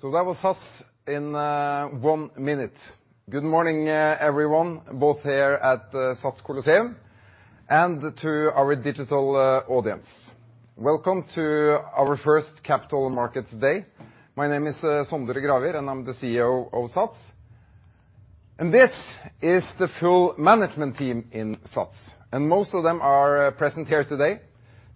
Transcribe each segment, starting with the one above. That was us in one minute. Good morning, everyone, both here at the SATS Colosseum and to our digital audience. Welcome to our first Capital Markets Day. My name is Sondre Gravir, and I'm the CEO of SATS. This is the full management team in SATS, and most of them are present here today.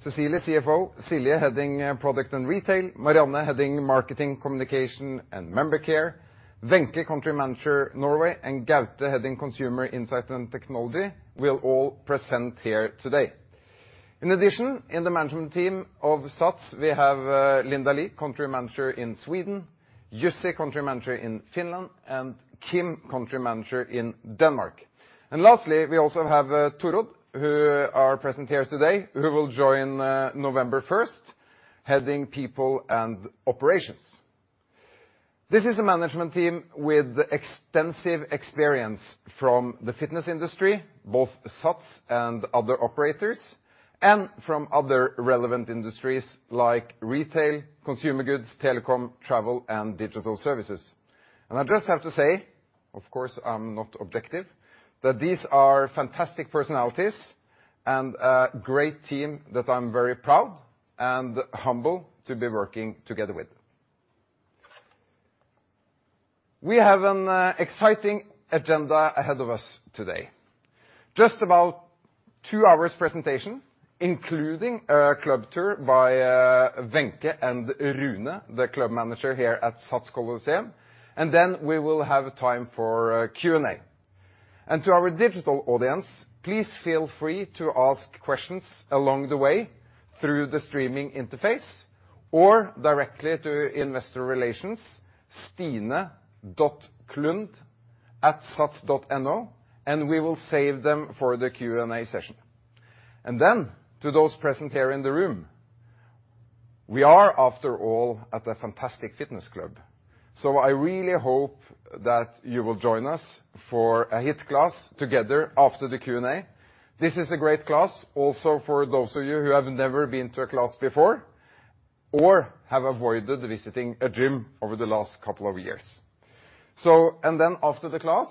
Cecilie, CFO, Silje, heading product and retail, Marianne, heading marketing, communication and member care, Wenche, country manager Norway, and Gaute, heading consumer insight and technology, will all present here today. In addition, in the management team of SATS, we have Linda Li, country manager in Sweden, Jussi, country manager in Finland, and Kim, country manager in Denmark. Lastly, we also have Torodd, who are present here today, who will join November first, heading people and operations. This is a management team with extensive experience from the fitness industry, both SATS and other operators, and from other relevant industries like retail, consumer goods, telecom, travel and digital services. I just have to say, of course, I'm not objective, but these are fantastic personalities and a great team that I'm very proud and humble to be working together with. We have an exciting agenda ahead of us today. Just about two hours presentation, including a club tour by Wenche and Rune, the club manager here at SATS Colosseum, and then we will have time for Q&A. To our digital audience, please feel free to ask questions along the way through the streaming interface or directly to investor relations, stine.klund@sats.no, and we will save them for the Q&A session. To those present here in the room, we are after all at a fantastic fitness club, so I really hope that you will join us for a HIIT class together after the Q&A. This is a great class also for those of you who have never been to a class before or have avoided visiting a gym over the last couple of years. After the class,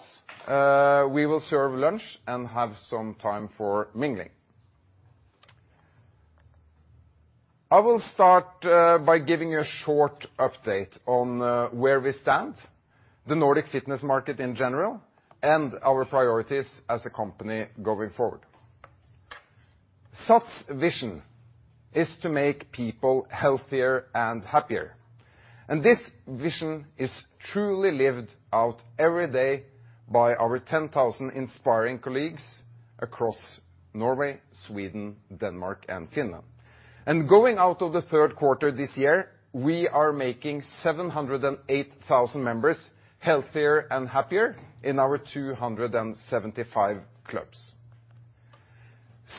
we will serve lunch and have some time for mingling. I will start by giving you a short update on where we stand, the Nordic fitness market in general, and our priorities as a company going forward. SATS vision is to make people healthier and happier, and this vision is truly lived out every day by our 10,000 inspiring colleagues across Norway, Sweden, Denmark and Finland. Going out of the third quarter this year, we are making 708,000 members healthier and happier in our 275 clubs.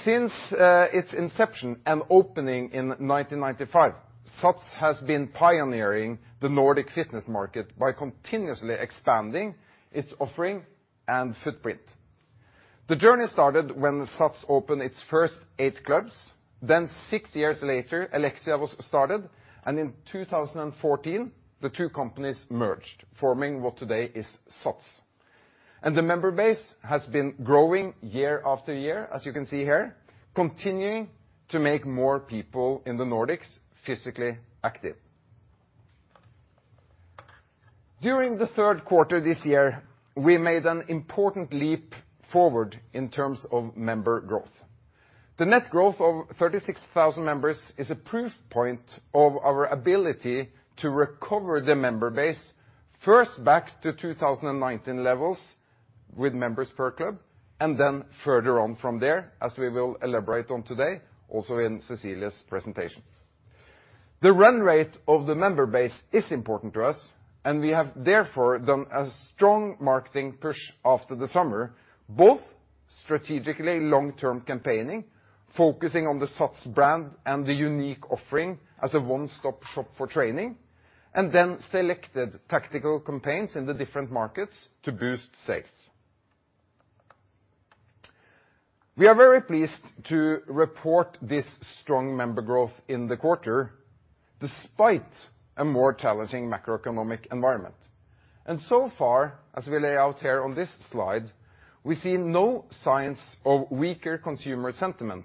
Since its inception and opening in 1995, SATS has been pioneering the Nordic fitness market by continuously expanding its offering and footprint. The journey started when SATS opened its first eight clubs. Six years later, ELIXIA was started, and in 2014, the two companies merged, forming what today is SATS. The member base has been growing year after year, as you can see here, continuing to make more people in the Nordics physically active. During the third quarter this year, we made an important leap forward in terms of member growth. The net growth of 36,000 members is a proof point of our ability to recover the member base, first back to 2019 levels with members per club, and then further on from there, as we will elaborate on today, also in Cecilie's presentation. The run rate of the member base is important to us and we have therefore done a strong marketing push after the summer, both strategically long-term campaigning, focusing on the SATS brand and the unique offering as a one-stop shop for training, and then selected tactical campaigns in the different markets to boost sales. We are very pleased to report this strong member growth in the quarter, despite a more challenging macroeconomic environment. So far, as we lay out here on this slide, we see no signs of weaker consumer sentiment.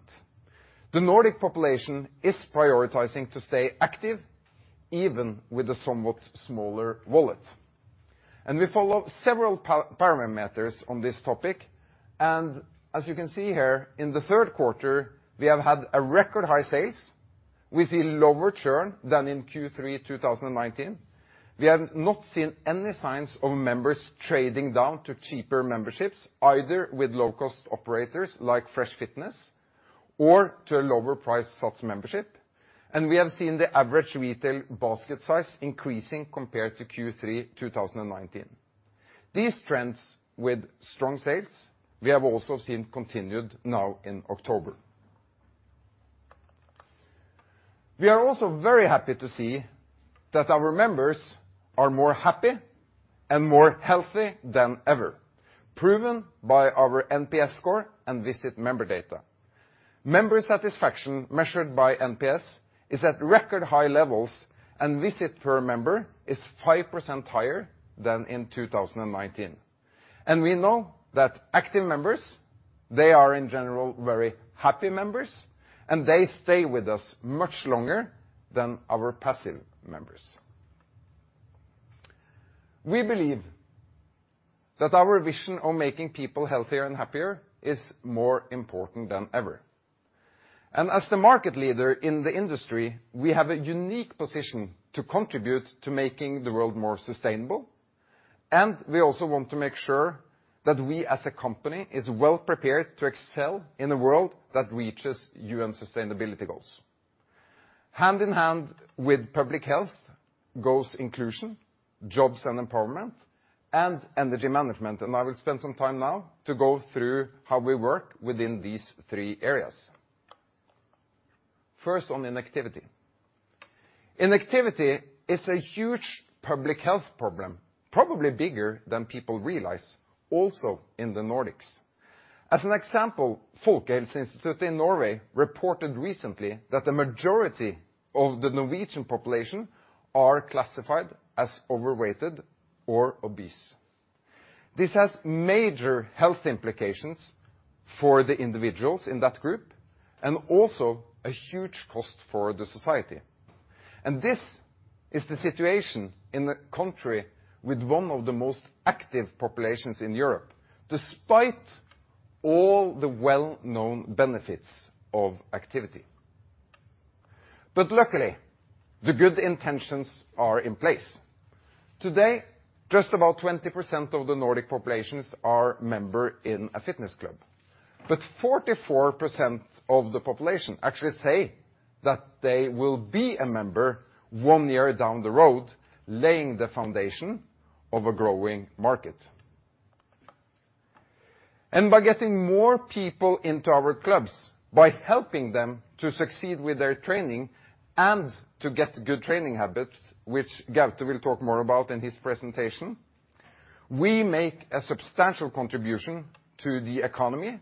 The Nordic population is prioritizing to stay active even with a somewhat smaller wallet. We follow several parameters on this topic, and as you can see here, in the third quarter, we have had a record high sales. We see lower churn than in Q3 2019. We have not seen any signs of members trading down to cheaper memberships, either with low cost operators like Fresh Fitness or to a lower price SATS membership. We have seen the average retail basket size increasing compared to Q3 2019. These trends with strong sales, we have also seen continued now in October. We are also very happy to see that our members are more happy and more healthy than ever, proven by our NPS score and visit member data. Member satisfaction measured by NPS is at record high levels, and visit per member is 5% higher than in 2019. We know that active members, they are, in general, very happy members, and they stay with us much longer than our passive members. We believe that our vision of making people healthier and happier is more important than ever. As the market leader in the industry, we have a unique position to contribute to making the world more sustainable, and we also want to make sure that we, as a company, is well-prepared to excel in a world that reaches UN sustainability goals. Hand-in-hand with public health goes inclusion, jobs and empowerment, and energy management. I will spend some time now to go through how we work within these three areas. First, on inactivity. Inactivity is a huge public health problem, probably bigger than people realize, also in the Nordics. As an example, Folkehelseinstituttet in Norway reported recently that the majority of the Norwegian population are classified as overweight or obese. This has major health implications for the individuals in that group and also a huge cost for the society. This is the situation in the country with one of the most active populations in Europe, despite all the well-known benefits of activity. Luckily, the good intentions are in place. Today, just about 20% of the Nordic populations are member in a fitness club, but 44% of the population actually say that they will be a member one year down the road, laying the foundation of a growing market. By getting more people into our clubs, by helping them to succeed with their training and to get good training habits, which Gaute will talk more about in his presentation, we make a substantial contribution to the economy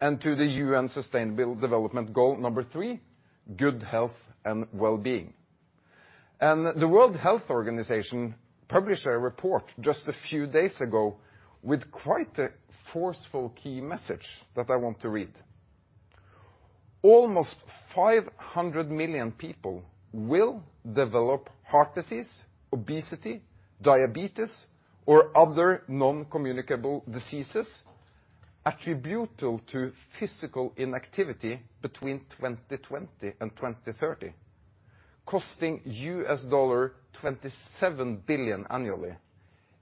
and to the UN Sustainable Development Goal 3, good health and well-being. The World Health Organization published a report just a few days ago with quite a forceful key message that I want to read. Almost 500 million people will develop heart disease, obesity, diabetes, or other non-communicable diseases attributable to physical inactivity between 2020 and 2030, costing $27 billion annually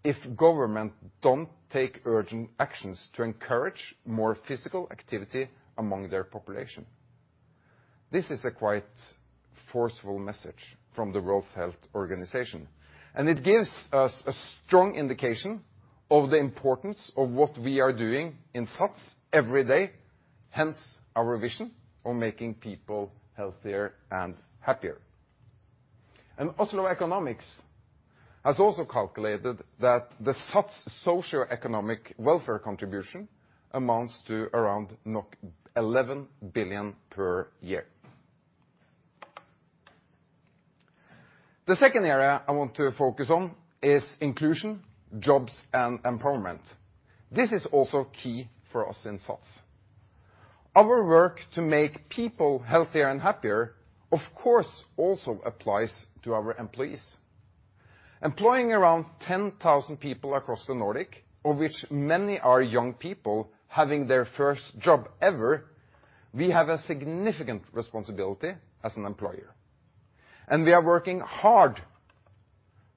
if governments don't take urgent actions to encourage more physical activity among their population." This is a quite forceful message from the World Health Organization, and it gives us a strong indication of the importance of what we are doing in SATS every day, hence our vision of making people healthier and happier. Oslo Economics has also calculated that the SATS socioeconomic welfare contribution amounts to around 11 billion per year. The second area I want to focus on is inclusion, jobs, and empowerment. This is also key for us in SATS. Our work to make people healthier and happier, of course, also applies to our employees. Employing around 10,000 people across the Nordic, of which many are young people having their first job ever, we have a significant responsibility as an employer. We are working hard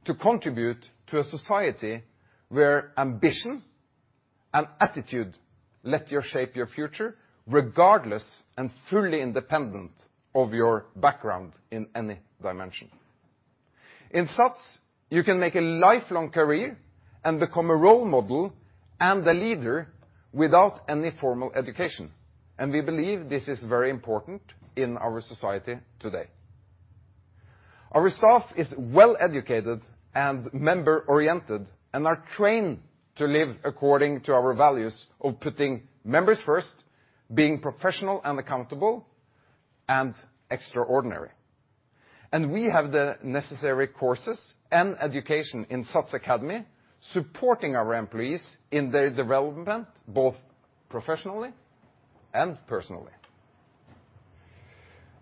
to contribute to a society where ambition and attitude let you shape your future regardless and fully independent of your background in any dimension. In SATS, you can make a lifelong career and become a role model and a leader without any formal education, and we believe this is very important in our society today. Our staff is well-educated and member-oriented and are trained to live according to our values of putting members first, being professional and accountable, and extraordinary. We have the necessary courses and education in SATS Academy, supporting our employees in their development, both professionally and personally.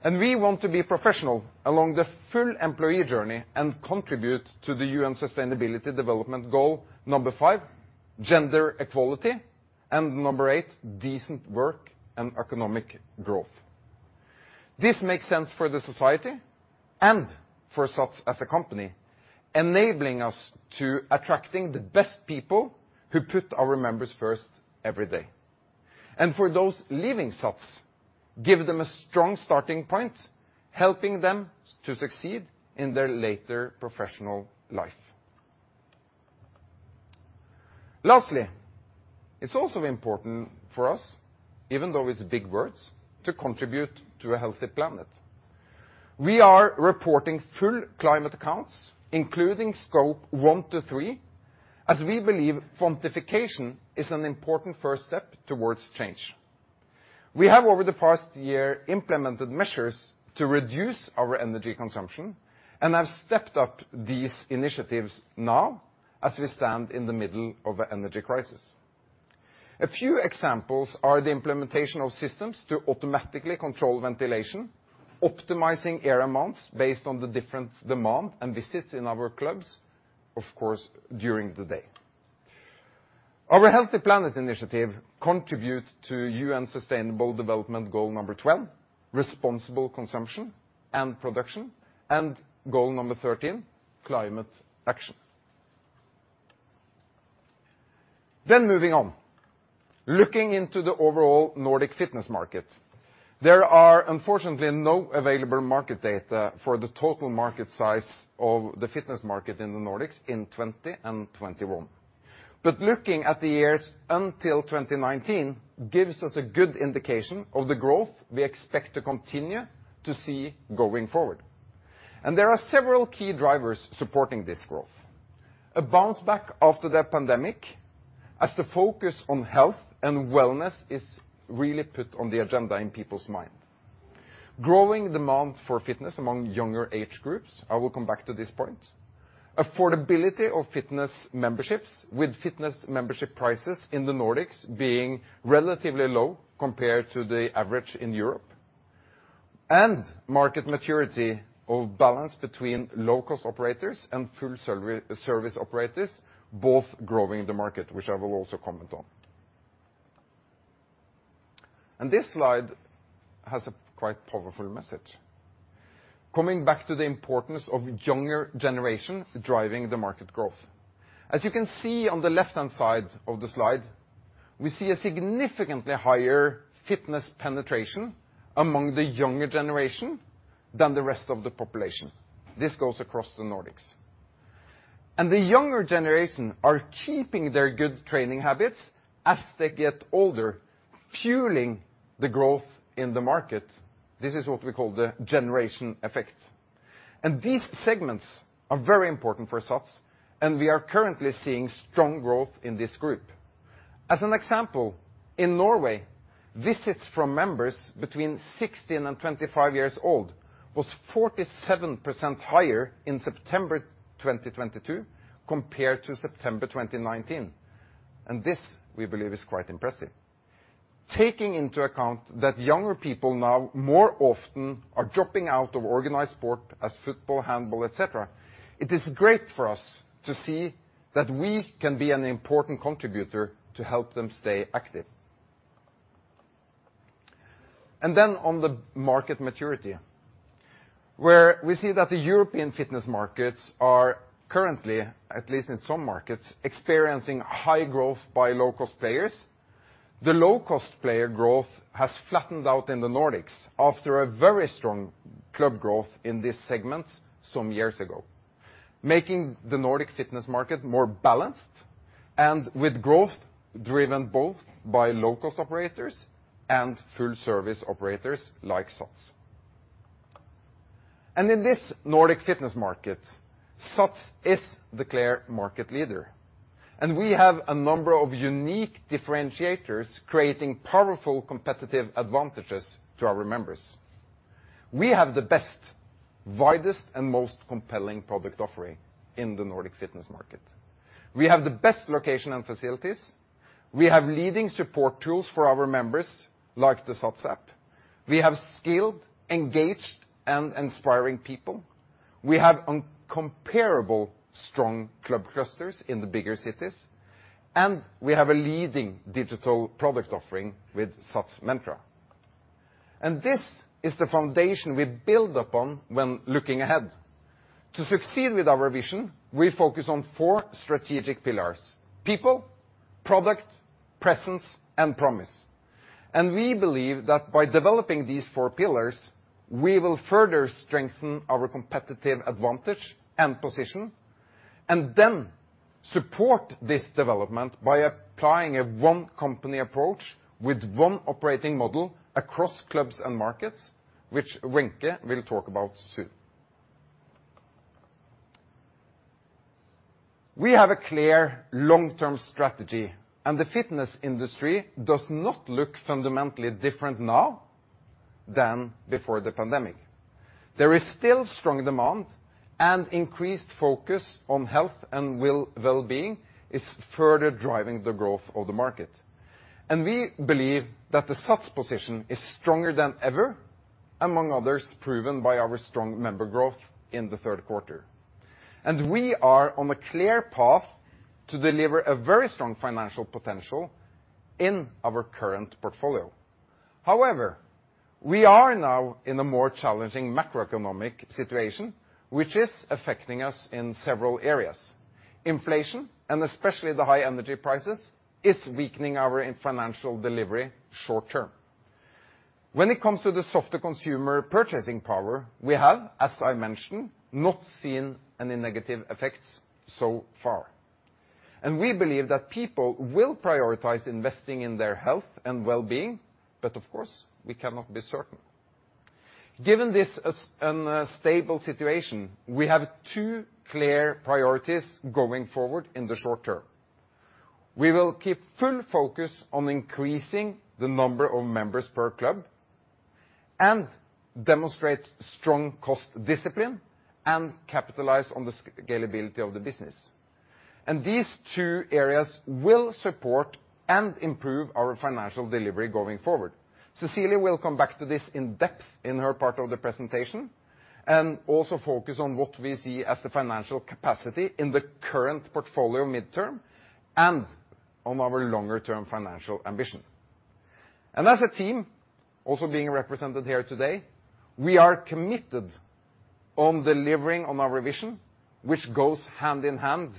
We want to be professional along the full employee journey and contribute to the UN Sustainable Development Goal 5, gender equality, and 8, decent work and economic growth. This makes sense for the society and for SATS as a company, enabling us to attracting the best people who put our members first every day. For those leaving SATS, give them a strong starting point, helping them to succeed in their later professional life. Lastly, it's also important for us, even though it's big words, to contribute to a healthy planet. We are reporting full climate accounts, including scope 1 to 3, as we believe quantification is a first step towards change. We have, over the past year, implemented measures to reduce our energy consumption and have stepped up these initiatives now as we stand in the middle of an energy crisis. A few examples are the implementation of systems to automatically control ventilation, optimizing air amounts based on the different demand, and visits in our clubs, of course, during the day. Our Healthy Planet initiative contributes to UN Sustainable Development Goal 12, responsible consumption and production, and Goal 13, climate action. Moving on. Looking into the overall Nordic fitness market, there are unfortunately no available market data for the total market size of the fitness market in the Nordics in 2020 and 2021. Looking at the years until 2019 gives us a good indication of the growth we expect to continue to see going forward. There are several key drivers supporting this growth. A bounce back after the pandemic, as the focus on health and wellness is really put on the agenda in people's mind. Growing demand for fitness among younger age groups, I will come back to this point. Affordability of fitness memberships, with fitness membership prices in the Nordics being relatively low compared to the average in Europe. Market maturity of balance between low cost operators and full-service operators, both growing the market, which I will also comment on. This slide has a quite powerful message. Coming back to the importance of younger generations driving the market growth, as you can see on the left-hand side of the slide, we see a significantly higher fitness penetration among the younger generation than the rest of the population. This goes across the Nordics. The younger generation are keeping their good training habits as they get older, fueling the growth in the market. This is what we call the generation effect. These segments are very important for SATS, and we are currently seeing strong growth in this group. As an example, in Norway, visits from members between 16 and 25 years old was 47% higher in September 2022 compared to September 2019, and this, we believe, is quite impressive. Taking into account that younger people now more often are dropping out of organized sport as football, handball, et cetera, it is great for us to see that we can be an important contributor to help them stay active. On the market maturity, where we see that the European fitness markets are currently, at least in some markets, experiencing high growth by low cost players. The low cost player growth has flattened out in the Nordics after a very strong club growth in these segments some years ago, making the Nordic fitness market more balanced, and with growth driven both by low cost operators and full service operators like SATS. In this Nordic fitness market, SATS is the clear market leader, and we have a number of unique differentiators creating powerful competitive advantages to our members. We have the best, widest, and most compelling product offering in the Nordic fitness market. We have the best location and facilities. We have leading support tools for our members, like the SATS App. We have skilled, engaged, and inspiring people. We have incomparable strong club clusters in the bigger cities, and we have a leading digital product offering with SATS Mentra. This is the foundation we build upon when looking ahead. To succeed with our vision, we focus on four strategic pillars, people, product, presence, and promise. We believe that by developing these four pillars, we will further strengthen our competitive advantage and position, and then support this development by applying a one-company approach with one operating model across clubs and markets, which Wenche will talk about soon. We have a clear long-term strategy, and the fitness industry does not look fundamentally different now than before the pandemic. There is still strong demand, and increased focus on health and well-being is further driving the growth of the market. We believe that the SATS position is stronger than ever, among others proven by our strong member growth in the third quarter. We are on a clear path to deliver a very strong financial potential in our current portfolio. However, we are now in a more challenging macroeconomic situation, which is affecting us in several areas. Inflation, and especially the high energy prices, is weakening our financial delivery short-term. When it comes to the softer consumer purchasing power, we have, as I mentioned, not seen any negative effects so far. We believe that people will prioritize investing in their health and wellbeing, but of course, we cannot be certain. Given this as a stable situation, we have two clear priorities going forward in the short term. We will keep full focus on increasing the number of members per club and demonstrate strong cost discipline and capitalize on the scalability of the business, and these two areas will support and improve our financial delivery going forward. Cecilie will come back to this in depth in her part of the presentation, and also focus on what we see as the financial capacity in the current portfolio midterm and on our longer term financial ambition. As a team, also being represented here today, we are committed on delivering on our vision, which goes hand-in-hand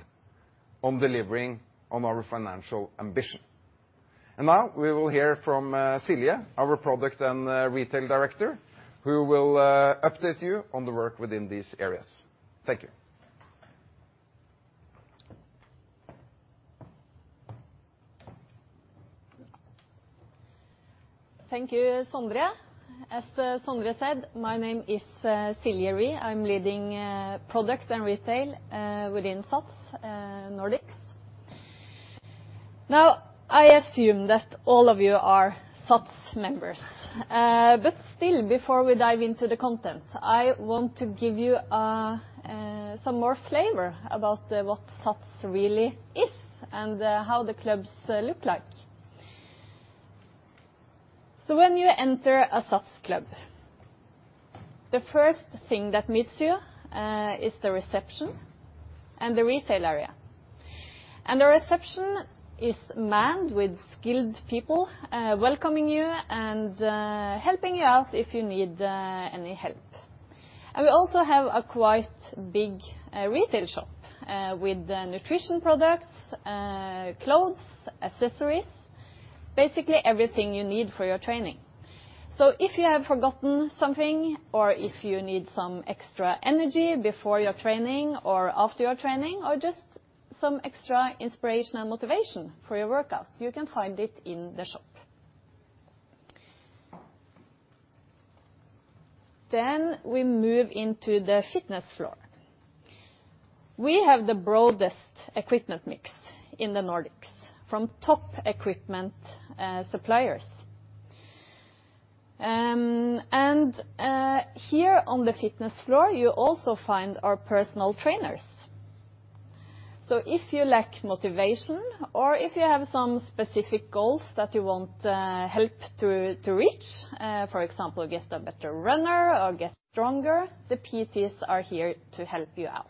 on delivering on our financial ambition. Now we will hear from Silje, our product and retail director, who will update you on the work within these areas. Thank you. Thank you, Sondre. As Sondre said, my name is Silje Ree. I'm leading product and retail within SATS Nordics. Now, I assume that all of you are SATS members. Still, before we dive into the content, I want to give you some more flavor about what SATS really is and how the clubs look like. When you enter a SATS club, the first thing that meets you is the reception and the retail area. The reception is manned with skilled people welcoming you and helping you out if you need any help. We also have a quite big retail shop with the nutrition products, clothes, accessories, basically everything you need for your training. If you have forgotten something, or if you need some extra energy before your training or after your training, or just some extra inspiration and motivation for your workout, you can find it in the shop. We move into the fitness floor. We have the broadest equipment mix in the Nordics from top equipment suppliers. Here on the fitness floor, you also find our personal trainers. If you lack motivation or if you have some specific goals that you want help to reach, for example, get a better runner or get stronger, the PTs are here to help you out.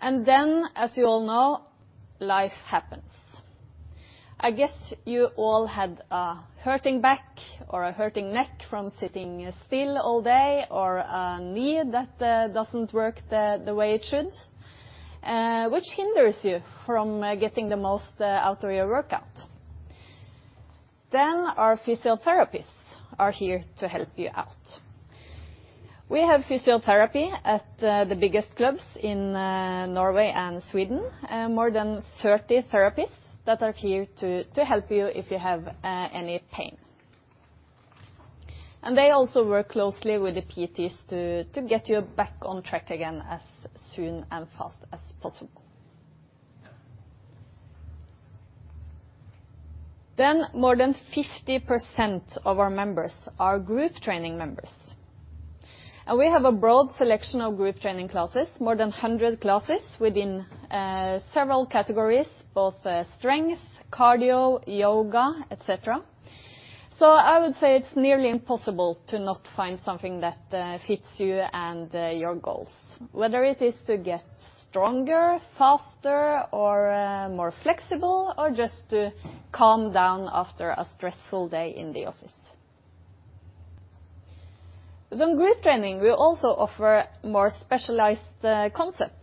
As you all know, life happens. I guess you all had a hurting back or a hurting neck from sitting still all day, or a knee that doesn't work the way it should, which hinders you from getting the most out of your workout. Our physiotherapists are here to help you out. We have physiotherapy at the biggest clubs in Norway and Sweden. More than 30 therapists that are here to help you if you have any pain. And they also work closely with the PTs to get you back on track again as soon and fast as possible. More than 50% of our members are group training members. And we have a broad selection of group training classes, more than 100 classes within several categories, both strength, cardio, yoga, et cetera. I would say it's nearly impossible to not find something that fits you and your goals, whether it is to get stronger, faster, or more flexible, or just to calm down after a stressful day in the office. Within group training, we also offer more specialized concepts.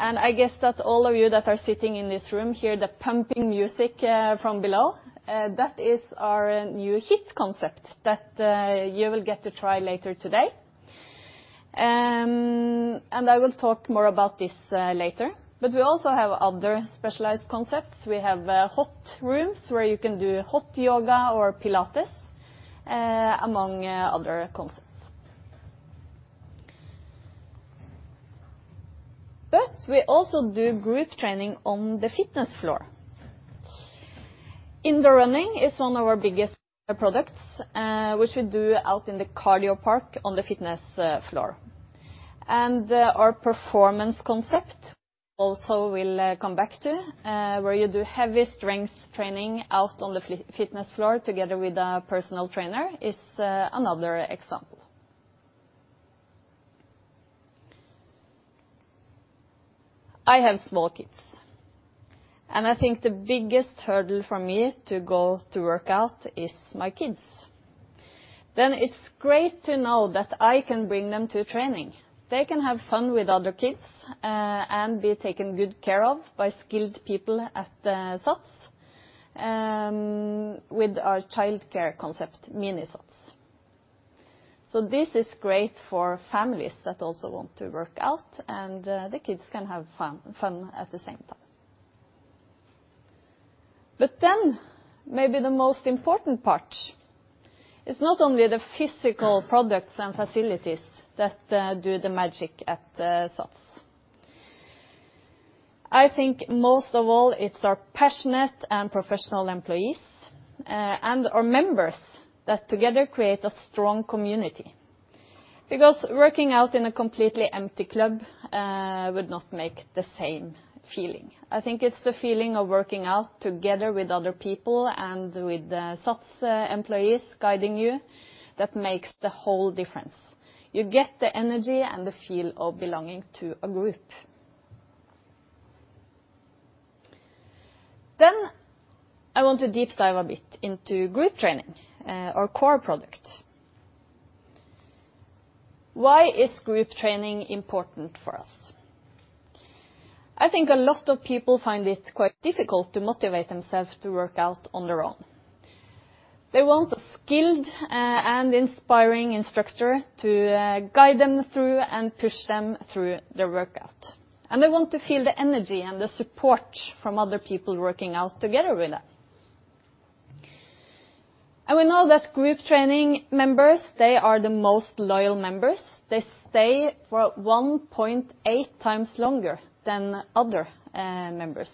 I guess that all of you that are sitting in this room hear the pumping music from below. That is our new HIIT concept that you will get to try later today. I will talk more about this later. We also have other specialized concepts. We have hot rooms where you can do hot yoga or Pilates, among other concepts. We also do group training on the fitness floor. Indoor running is one of our biggest products, which we do out in the cardio park on the fitness floor. Our performance concept also will come back to where you do heavy strength training out on the fitness floor together with a personal trainer is another example. I have small kids, and I think the biggest hurdle for me to go to work out is my kids. It's great to know that I can bring them to training. They can have fun with other kids and be taken good care of by skilled people at SATS with our childcare concept, MiniSATS. This is great for families that also want to work out, and the kids can have fun at the same time. Maybe the most important part is not only the physical products and facilities that do the magic at SATS. I think most of all it's our passionate and professional employees and our members that together create a strong community. Because working out in a completely empty club would not make the same feeling. I think it's the feeling of working out together with other people and with the SATS employees guiding you that makes the whole difference. You get the energy and the feel of belonging to a group. I want to deep dive a bit into group training, our core product. Why is group training important for us? I think a lot of people find it quite difficult to motivate themselves to work out on their own. They want a skilled and inspiring instructor to guide them through and push them through their workout, and they want to feel the energy and the support from other people working out together with them. We know that group training members, they are the most loyal members. They stay for 1.8 times longer than other members.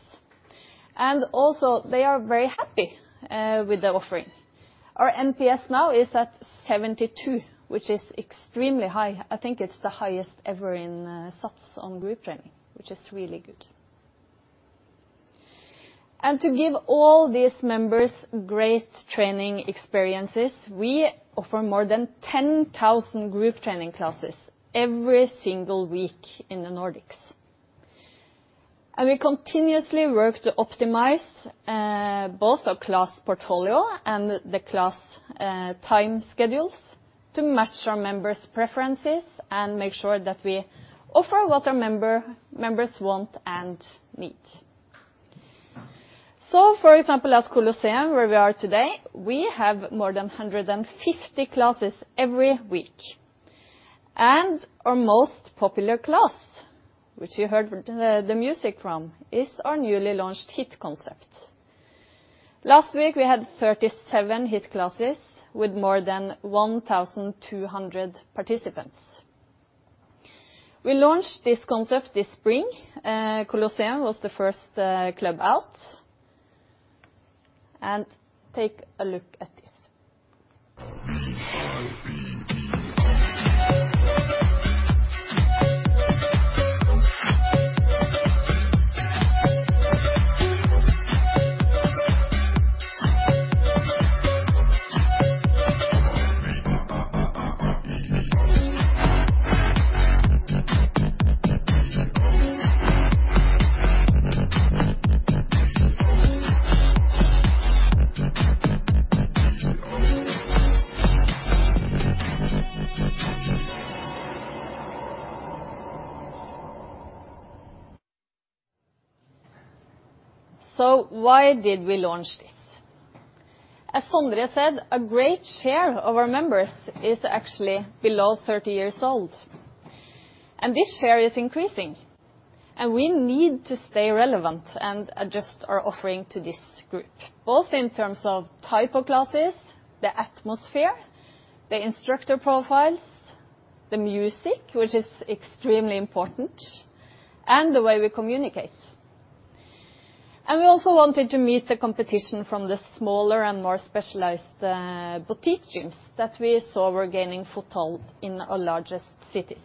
Also they are very happy with the offering. Our NPS now is at 72, which is extremely high. I think it's the highest ever in SATS on group training, which is really good. To give all these members great training experiences, we offer more than 10,000 group training classes every single week in the Nordics. We continuously work to optimize both our class portfolio and the class time schedules to match our members' preferences and make sure that we offer what our members want and need. For example, at Colosseum, where we are today, we have more than 150 classes every week. Our most popular class, which you heard the music from, is our newly launched HIIT concept. Last week, we had 37 HIIT classes with more than 1,200 participants. We launched this concept this spring. Colosseum was the first club out. Take a look at this. Why did we launch this? As Sondre said, a great share of our members is actually below 30 years old, and this share is increasing, and we need to stay relevant and adjust our offering to this group, both in terms of type of classes, the atmosphere, the instructor profiles, the music, which is extremely important, and the way we communicate. We also wanted to meet the competition from the smaller and more specialized, boutique gyms that we saw were gaining foothold in our largest cities.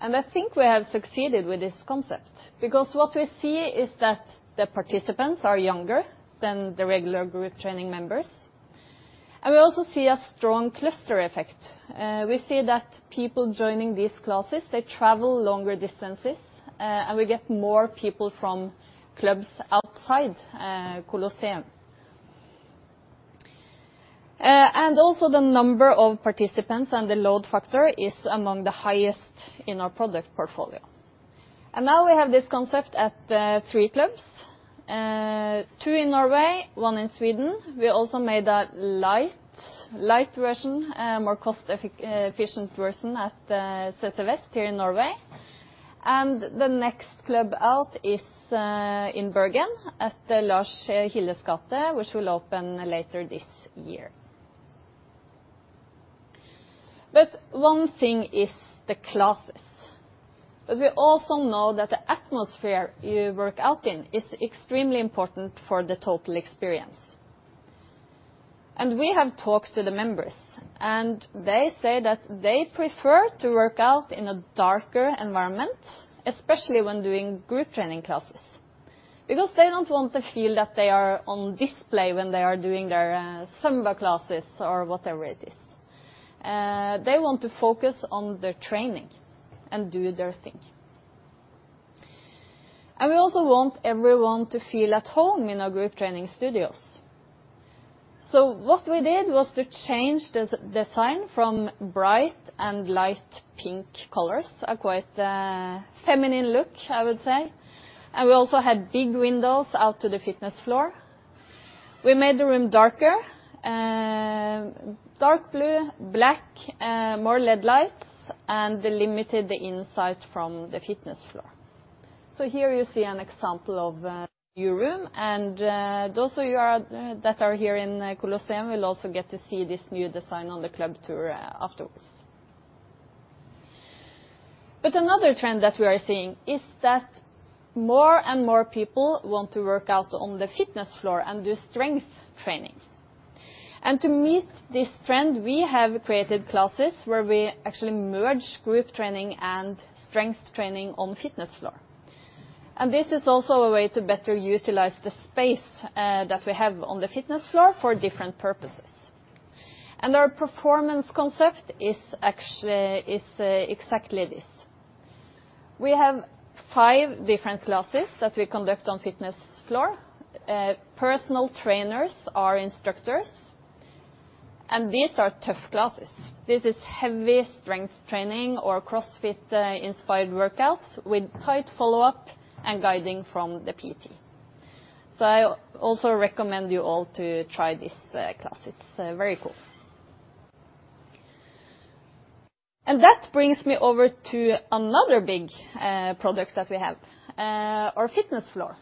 I think we have succeeded with this concept because what we see is that the participants are younger than the regular group training members, and we also see a strong cluster effect. We see that people joining these classes, they travel longer distances, and we get more people from clubs outside, Colosseum. Also the number of participants and the load factor is among the highest in our product portfolio. Now we have this concept at three clubs, two in Norway, one in Sweden. We also made a light version, a more cost efficient version at CC Vest here in Norway. The next club out is in Bergen at the Lars Hilles gate, which will open later this year. One thing is the classes, but we also know that the atmosphere you work out in is extremely important for the total experience. We have talked to the members, and they say that they prefer to work out in a darker environment, especially when doing group training classes, because they don't want to feel that they are on display when they are doing their Zumba classes or whatever it is. They want to focus on their training and do their thing. We also want everyone to feel at home in our group training studios. What we did was to change the design from bright and light pink colors, a quite feminine look, I would say, and we also had big windows out to the fitness floor. We made the room darker, and dark blue, black, more LED lights, and limited the insight from the fitness floor. Here you see an example of a new room, and those of you that are here in Colosseum will also get to see this new design on the club tour afterwards. Another trend that we are seeing is that more and more people want to work out on the fitness floor and do strength training. To meet this trend, we have created classes where we actually merge group training and strength training on fitness floor. This is also a way to better utilize the space that we have on the fitness floor for different purposes. Our performance concept is exactly this. We have five different classes that we conduct on fitness floor. Personal trainers are instructors, and these are tough classes. This is heavy strength training or CrossFit inspired workouts with tight follow-up and guiding from the PT. I also recommend you all to try this class. It's very cool. That brings me over to another big project that we have, our fitness floor.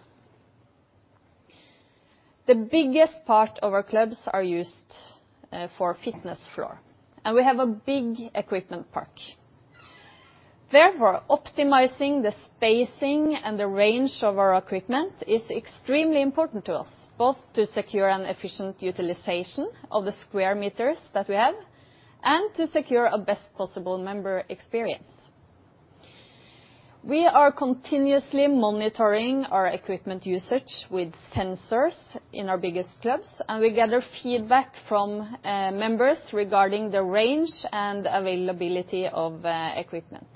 The biggest part of our clubs are used for fitness floor, and we have a big equipment park. Therefore, optimizing the spacing and the range of our equipment is extremely important to us, both to secure an efficient utilization of the square meters that we have and to secure a best possible member experience. We are continuously monitoring our equipment usage with sensors in our biggest clubs, and we gather feedback from members regarding the range and availability of equipment.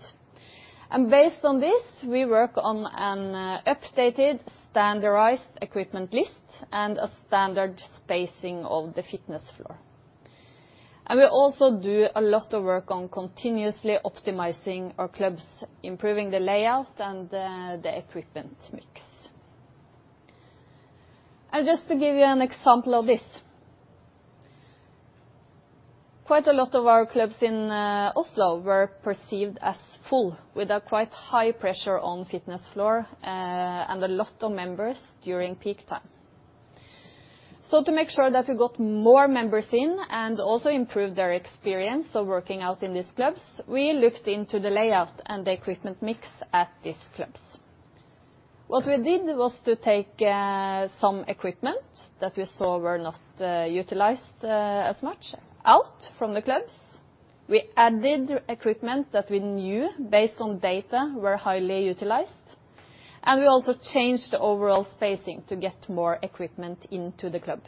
Based on this, we work on an updated standardized equipment list and a standard spacing of the fitness floor. We also do a lot of work on continuously optimizing our clubs, improving the layout and the equipment mix. Just to give you an example of this, quite a lot of our clubs in Oslo were perceived as full with a quite high pressure on fitness floor and a lot of members during peak time. To make sure that we got more members in and also improve their experience of working out in these clubs, we looked into the layout and the equipment mix at these clubs. What we did was to take some equipment that we saw were not utilized as much out from the clubs. We added equipment that we knew based on data were highly utilized, and we also changed the overall spacing to get more equipment into the club.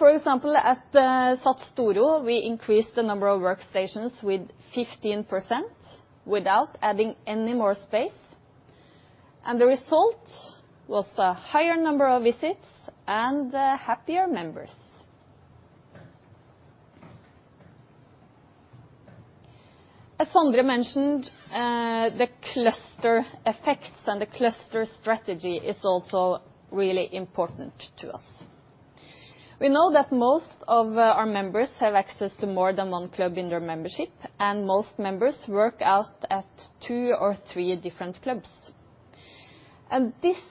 For example, at SATS Storo, we increased the number of workstations with 15% without adding any more space, and the result was a higher number of visits and happier members. As Sondre mentioned, the cluster effects and the cluster strategy is also really important to us. We know that most of our members have access to more than one club in their membership, and most members work out at two or three different clubs. This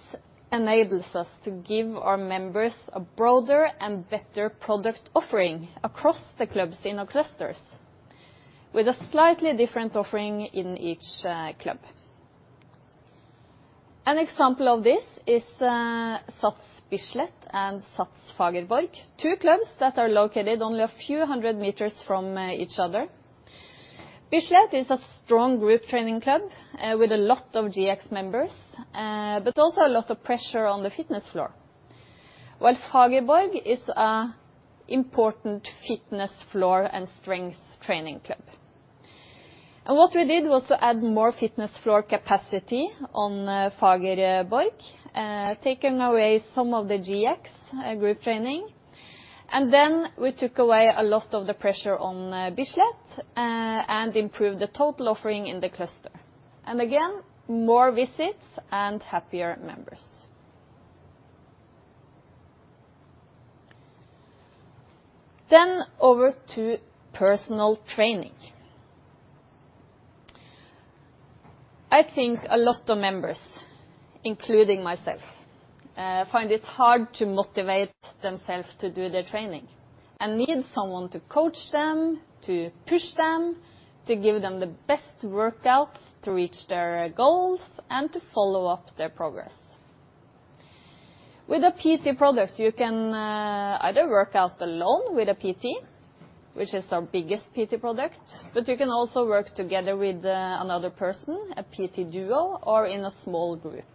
enables us to give our members a broader and better product offering across the clubs in our clusters, with a slightly different offering in each, club. An example of this is, SATS Bislett and SATS Fagerborg, two clubs that are located only a few hundred meters from, each other. Bislett is a strong group training club, with a lot of GX members, but also a lot of pressure on the fitness floor, while Fagerborg is a important fitness floor and strength training club. What we did was to add more fitness floor capacity on Fagerborg, taking away some of the GX group training, and then we took away a lot of the pressure on Bislett and improved the total offering in the cluster. Again, more visits and happier members. Over to personal training. I think a lot of members, including myself, find it hard to motivate themselves to do their training and need someone to coach them, to push them, to give them the best workouts to reach their goals and to follow up their progress. With a PT product, you can either work out alone with a PT, which is our biggest PT product, but you can also work together with another person, a PT duo, or in a small group.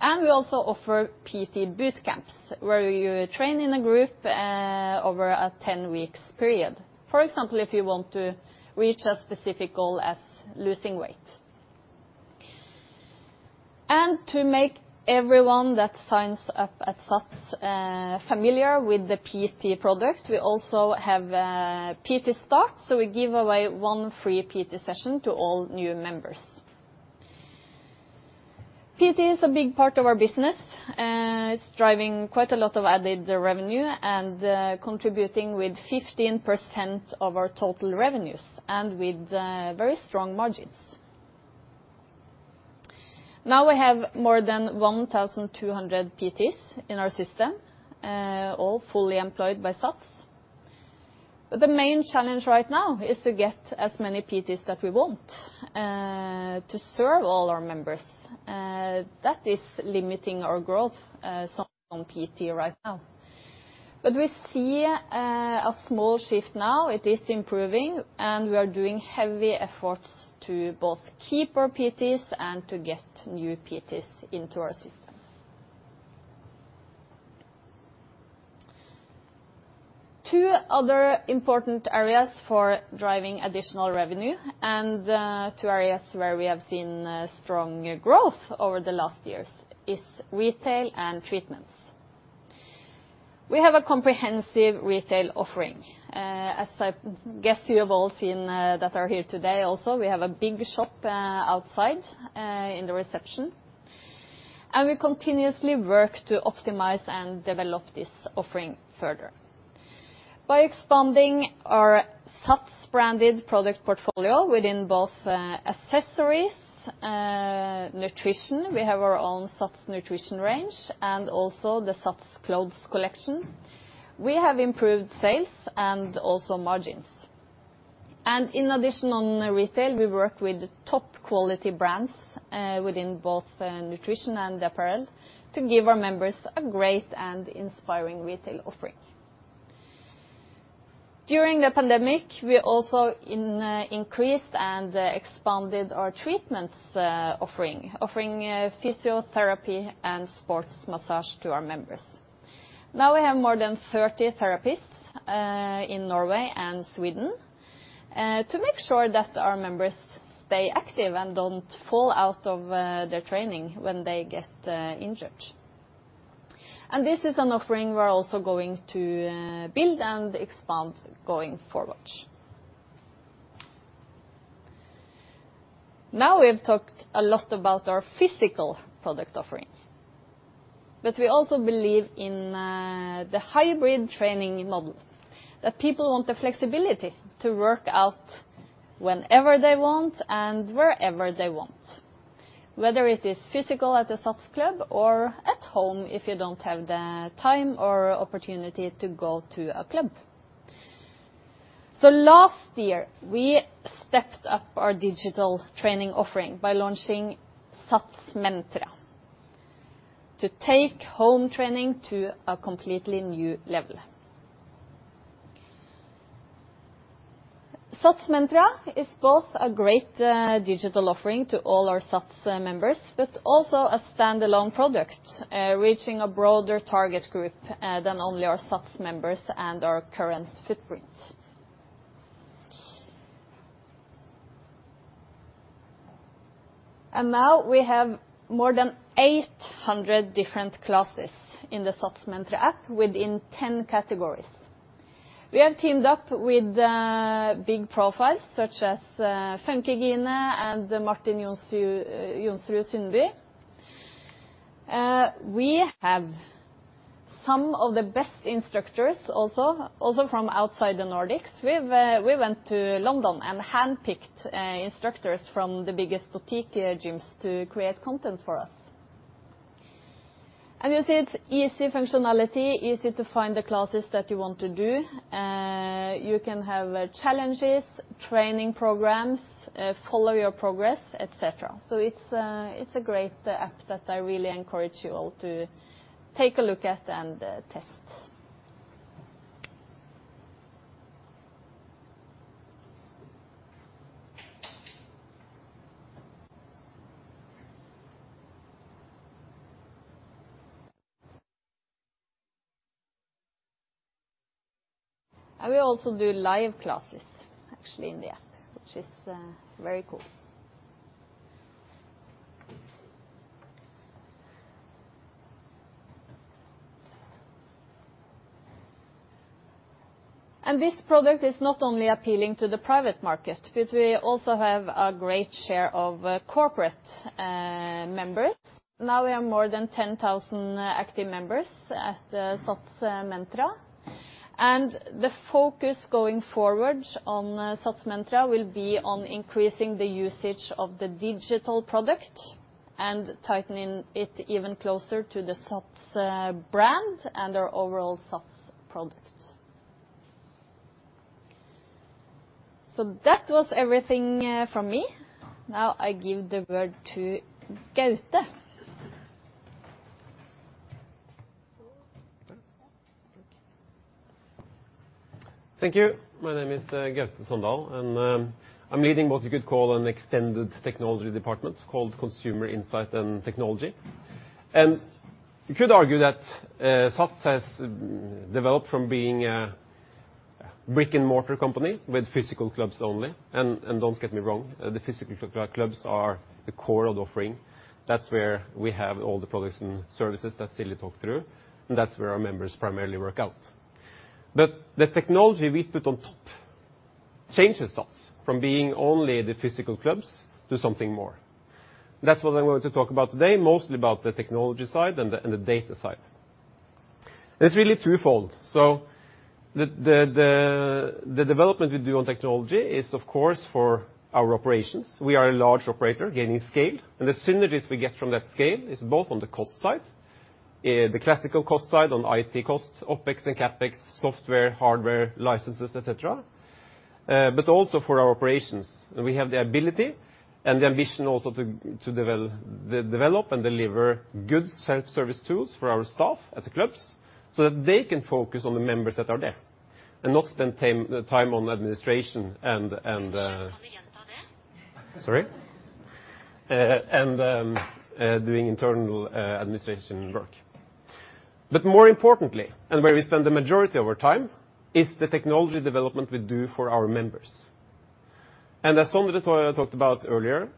We also offer PT boot camps, where you train in a group, over a 10-week period, for example, if you want to reach a specific goal as losing weight. To make everyone that signs up at SATS familiar with the PT product, we also have a PT start. We give away one free PT session to all new members. PT is a big part of our business. It's driving quite a lot of added revenue and, contributing with 15% of our total revenues and with, very strong margins. Now we have more than 1,200 PTs in our system, all fully employed by SATS. The main challenge right now is to get as many PTs that we want, to serve all our members. That is limiting our growth, some on PT right now. We see a small shift now, it is improving, and we are doing heavy efforts to both keep our PTs and to get new PTs into our system. Two other important areas for driving additional revenue and two areas where we have seen strong growth over the last years is retail and treatments. We have a comprehensive retail offering. As I guess you have all seen that are here today also, we have a big shop outside in the reception. We continuously work to optimize and develop this offering further. By expanding our SATS branded product portfolio within both accessories, nutrition, we have our own SATS nutrition range and also the SATS clothes collection. We have improved sales and also margins. In addition on retail, we work with top quality brands within both nutrition and apparel to give our members a great and inspiring retail offering. During the pandemic, we also increased and expanded our treatments offering physiotherapy and sports massage to our members. Now we have more than 30 therapists in Norway and Sweden to make sure that our members stay active and don't fall out of their training when they get injured. This is an offering we're also going to build and expand going forward. Now we have talked a lot about our physical product offering, but we also believe in the hybrid training model. That people want the flexibility to work out whenever they want and wherever they want. Whether it is physical at the SATS club or at home if you don't have the time or opportunity to go to a club. Last year, we stepped up our digital training offering by launching SATS Mentra to take home training to a completely new level. SATS Mentra is both a great, digital offering to all our SATS members, but also a standalone product, reaching a broader target group, than only our SATS members and our current footprint. Now we have more than 800 different classes in the SATS Mentra app within 10 categories. We have teamed up with big profiles such as Funkygine and Martin Johnsrud Sundby. We have some of the best instructors also from outside the Nordics. We went to London and hand-picked instructors from the biggest boutique gyms to create content for us. You see it's easy functionality, easy to find the classes that you want to do. You can have challenges, training programs, follow your progress, et cetera. It's a great app that I really encourage you all to take a look at and test. We also do live classes actually in the app, which is very cool. This product is not only appealing to the private market, but we also have a great share of corporate members. Now we have more than 10,000 active members at SATS Mentra. The focus going forward on SATS Mentra will be on increasing the usage of the digital product and tightening it even closer to the SATS brand and our overall SATS product. That was everything from me. Now I give the word to Gaute. Thank you. My name is Gaute Sandal, and I'm leading what you could call an extended technology department called Consumer Insight and Technology. You could argue that SATS has developed from being a brick-and-mortar company with physical clubs only. Don't get me wrong, the physical clubs are the core of the offering. That's where we have all the products and services that Silje talked through, and that's where our members primarily work out. The technology we put on top changes us from being only the physical clubs to something more. That's what I'm going to talk about today, mostly about the technology side and the data side. It's really twofold. The development we do on technology is, of course, for our operations. We are a large operator gaining scale, and the synergies we get from that scale is both on the cost side, the classical cost side on IT costs, OpEx and CapEx, software, hardware, licenses, et cetera, but also for our operations. We have the ability and the ambition also to develop and deliver good self-service tools for our staff at the clubs so that they can focus on the members that are there and not spend time on administration and. Sorry, can you repeat that? Sorry. Doing internal administration work. More importantly, where we spend the majority of our time, is the technology development we do for our members. As Sondre Gravir talked about earlier,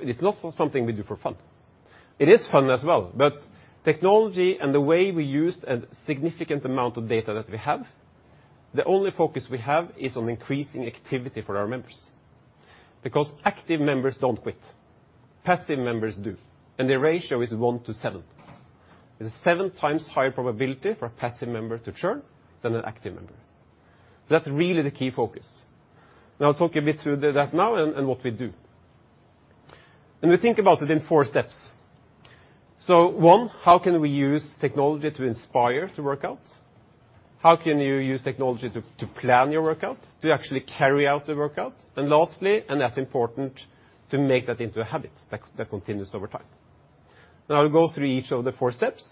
it's not something we do for fun. It is fun as well, but technology and the way we use a significant amount of data that we have, the only focus we have is on increasing activity for our members. Active members don't quit. Passive members do, and the ratio is 1 to 7. There's a seven times higher probability for a passive member to churn than an active member. That's really the key focus. I'll talk a bit through that now and what we do. We think about it in four steps. One, how can we use technology to inspire to work out? How can you use technology to plan your workout, to actually carry out the workout? Lastly, and that's important, to make that into a habit that continues over time. Now I'll go through each of the four steps,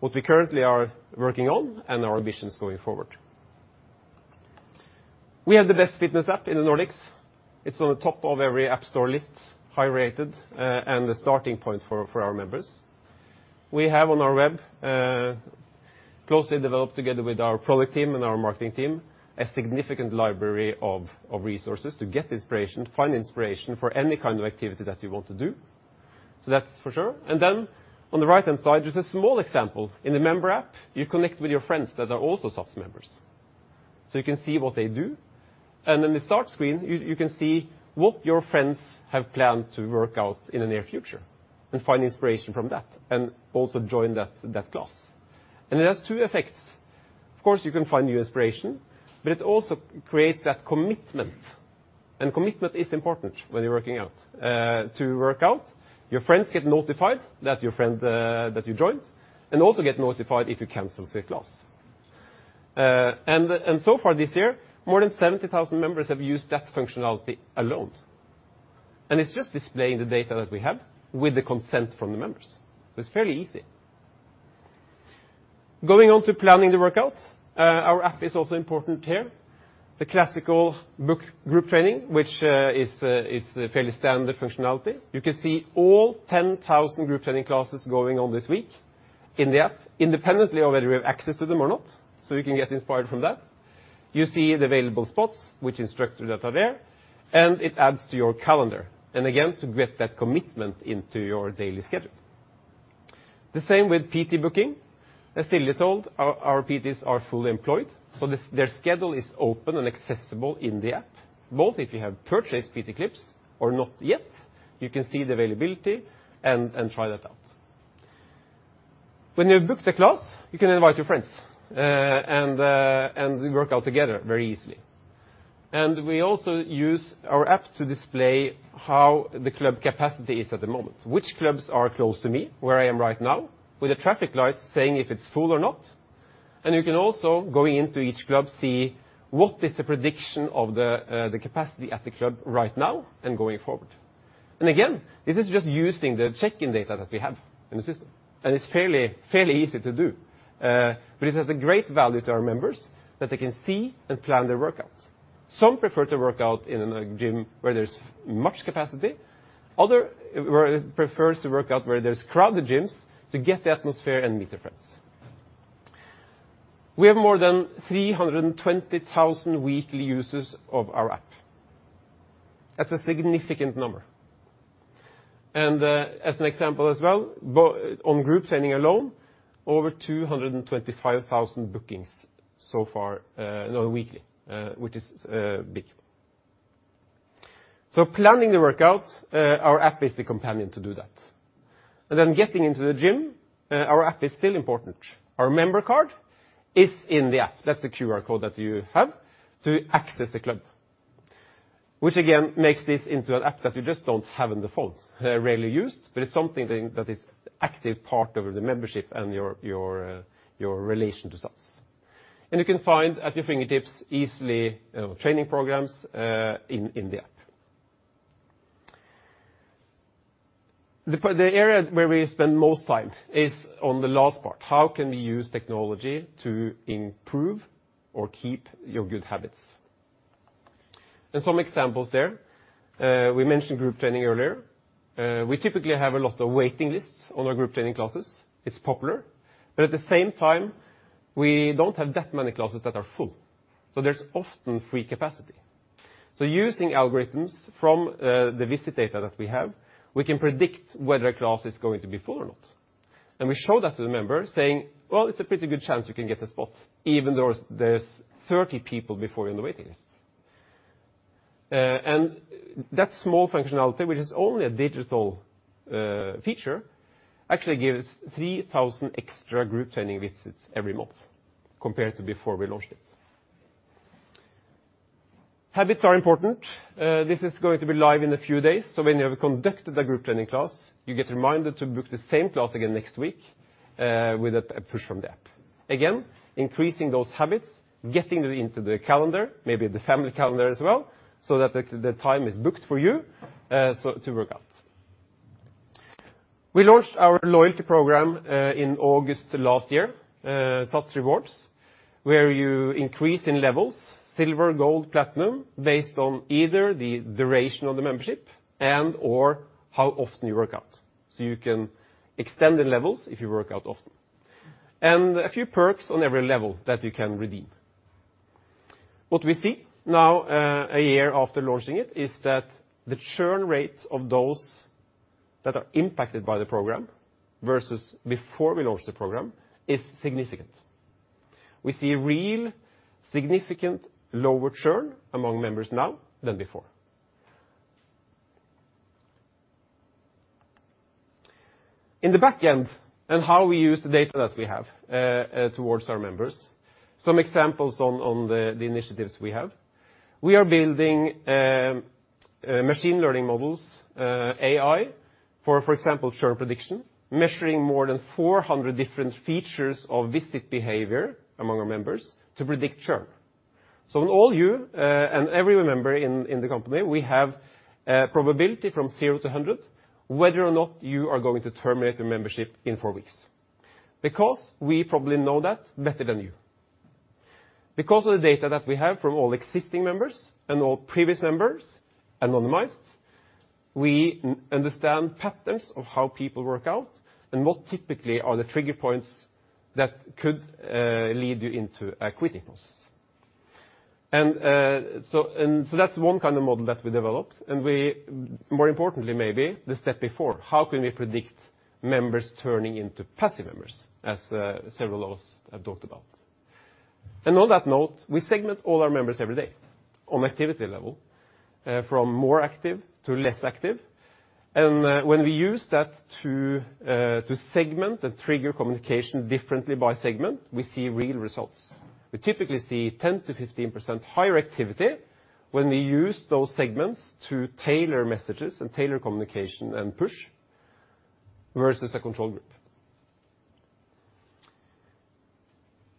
what we currently are working on and our ambitions going forward. We have the best fitness app in the Nordics. It's on the top of every app store lists, high rated, and the starting point for our members. We have on our web, closely developed together with our product team and our marketing team, a significant library of resources to get inspiration, find inspiration for any kind of activity that you want to do. That's for sure. Then on the right-hand side, there's a small example. In the member app, you connect with your friends that are also SATS members. You can see what they do. In the start screen, you can see what your friends have planned to work out in the near future and find inspiration from that and also join that class. It has two effects. Of course, you can find new inspiration, but it also creates that commitment. Commitment is important when you're working out. To work out, your friends get notified that you joined and also get notified if you cancel said class. So far this year, more than 70,000 members have used that functionality alone. It's just displaying the data that we have with the consent from the members. It's fairly easy. Going on to planning the workouts, our app is also important here. The classical book group training, which is fairly standard functionality. You can see all 10,000 group training classes going on this week in the app independently of whether we have access to them or not. We can get inspired from that. You see the available spots, which instructor that are there, and it adds to your calendar. Again, to get that commitment into your daily schedule. The same with PT booking. As Silje told, our PTs are fully employed, so their schedule is open and accessible in the app. Both if you have purchased PT clips or not yet, you can see the availability and try that out. When you book the class, you can invite your friends and work out together very easily. We also use our app to display how the club capacity is at the moment. Which clubs are close to me, where I am right now, with the traffic lights saying if it's full or not. You can also, going into each club, see what is the prediction of the capacity at the club right now and going forward. Again, this is just using the check-in data that we have in the system, and it's fairly easy to do. But it has a great value to our members that they can see and plan their workouts. Some prefer to work out in a gym where there's much capacity. Others prefer to work out where there's crowded gyms to get the atmosphere and meet their friends. We have more than 320,000 weekly users of our app. That's a significant number. As an example as well, on group training alone, over 225,000 bookings so far on weekly, which is big. Planning the workouts, our app is the companion to do that. Then getting into the gym, our app is still important. Our member card is in the app. That's the QR code that you have to access the club. Which again, makes this into an app that you just don't have in the phone, rarely used, but it's something that is active part of the membership and your relation to SATS. You can find at your fingertips easily training programs in the app. The area where we spend most time is on the last part. How can we use technology to improve or keep your good habits? Some examples there. We mentioned group training earlier. We typically have a lot of waiting lists on our group training classes. It's popular, but at the same time, we don't have that many classes that are full. There's often free capacity. Using algorithms from the visit data that we have, we can predict whether a class is going to be full or not. We show that to the member saying, "Well, it's a pretty good chance you can get a spot even though there's 30 people before you on the waiting list." That small functionality, which is only a digital feature, actually gives 3,000 extra group training visits every month compared to before we launched it. Habits are important. This is going to be live in a few days, so when you have conducted a group training class, you get reminded to book the same class again next week, with a push from the app. Again, increasing those habits, getting it into the calendar, maybe the family calendar as well, so that the time is booked for you, so to work out. We launched our loyalty program in August last year, SATS Rewards, where you increase in levels, silver, gold, platinum, based on either the duration of the membership and/or how often you work out. So you can extend the levels if you work out often. A few perks on every level that you can redeem. What we see now, a year after launching it, is that the churn rate of those that are impacted by the program versus before we launched the program is significant. We see real significant lower churn among members now than before. In the back end and how we use the data that we have towards our members, some examples on the initiatives we have. We are building machine learning models, AI for example, churn prediction, measuring more than 400 different features of visit behavior among our members to predict churn. All you and every member in the company, we have a probability from 0 to 100 whether or not you are going to terminate a membership in four weeks, because we probably know that better than you. Because of the data that we have from all existing members and all previous members, anonymized, we understand patterns of how people work out and what typically are the trigger points that could lead you into a quitting us. That's one kind of model that we developed, and more importantly, maybe the step before, how can we predict members turning into passive members, as several of us have talked about? On that note, we segment all our members every day on activity level, from more active to less active. When we use that to segment and trigger communication differently by segment, we see real results. We typically see 10%-15% higher activity when we use those segments to tailor messages and tailor communication and push versus a control group.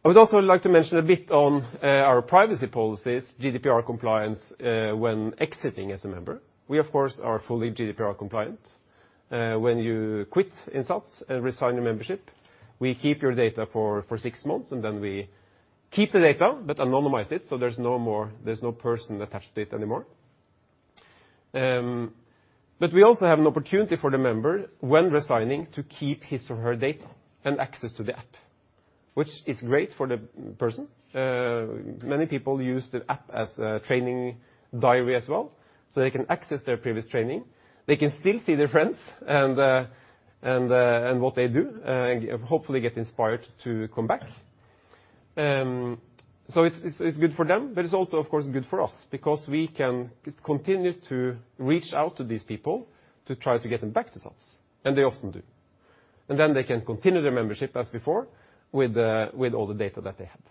I would also like to mention a bit on our privacy policies, GDPR compliance, when exiting as a member. We, of course, are fully GDPR compliant. When you quit in SATS and resign your membership, we keep your data for six months, and then we keep the data but anonymize it, so there's no person attached to it anymore. We also have an opportunity for the member when resigning to keep his or her data and access to the app, which is great for the person. Many people use the app as a training diary as well, so they can access their previous training. They can still see their friends and what they do, and hopefully get inspired to come back. It's good for them, but it's also of course good for us because we can continue to reach out to these people to try to get them back to SATS, and they often do. Then they can continue their membership as before with all the data that they had.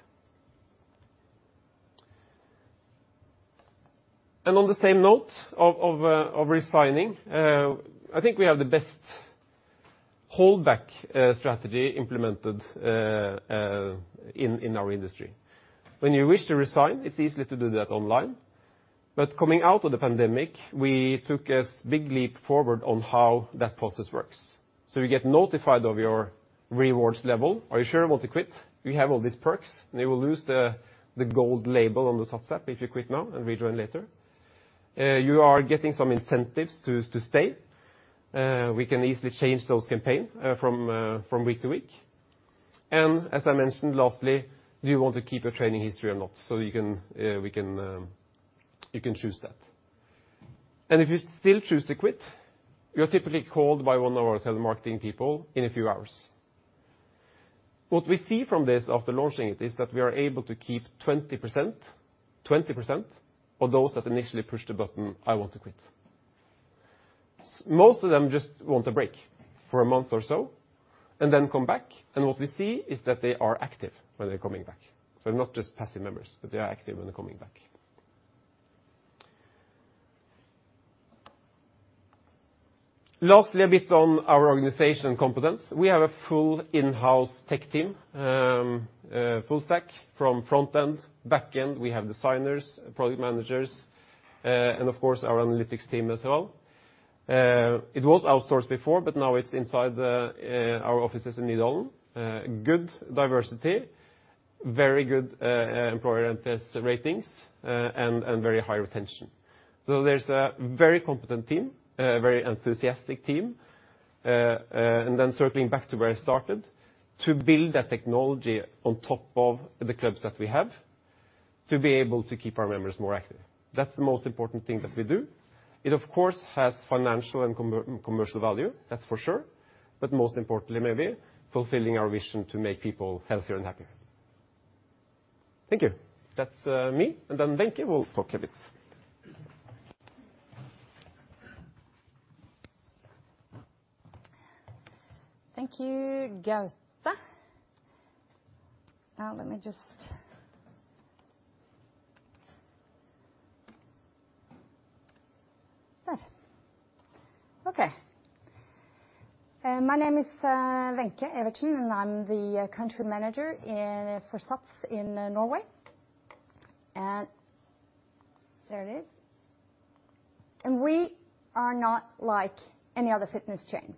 On the same note of resigning, I think we have the best hold-back strategy implemented in our industry. When you wish to resign, it's easy to do that online. Coming out of the pandemic, we took a big leap forward on how that process works. You get notified of your rewards level. Are you sure you want to quit? We have all these perks, and you will lose the gold label on the SATS app if you quit now and rejoin later. You are getting some incentives to stay. We can easily change those campaigns from week to week. As I mentioned, lastly, do you want to keep your training history or not? You can choose that. If you still choose to quit, you are typically called by one of our telemarketing people in a few hours. What we see from this after launching it is that we are able to keep 20% of those that initially pushed the button, I want to quit. Most of them just want a break for a month or so and then come back. What we see is that they are active when they're coming back. Not just passive members, but they are active when they're coming back. Lastly, a bit on our organizational competence. We have a full in-house tech team, full stack from front end, back end. We have designers, product managers, and of course, our analytics team as well. It was outsourced before, but now it's inside our offices in Nydalen. Good diversity, very good employer interest ratings, and very high retention. There's a very competent team, a very enthusiastic team. And then circling back to where I started, to build that technology on top of the clubs that we have. To be able to keep our members more active. That's the most important thing that we do. It, of course, has financial and commercial value. That's for sure. But most importantly, maybe fulfilling our vision to make people healthier and happier. Thank you. That's me, and then Wenche will talk a bit. Thank you, Gaute. My name is Wenche Evertsen, and I'm the Country Manager for SATS in Norway. There it is. We are not like any other fitness chain.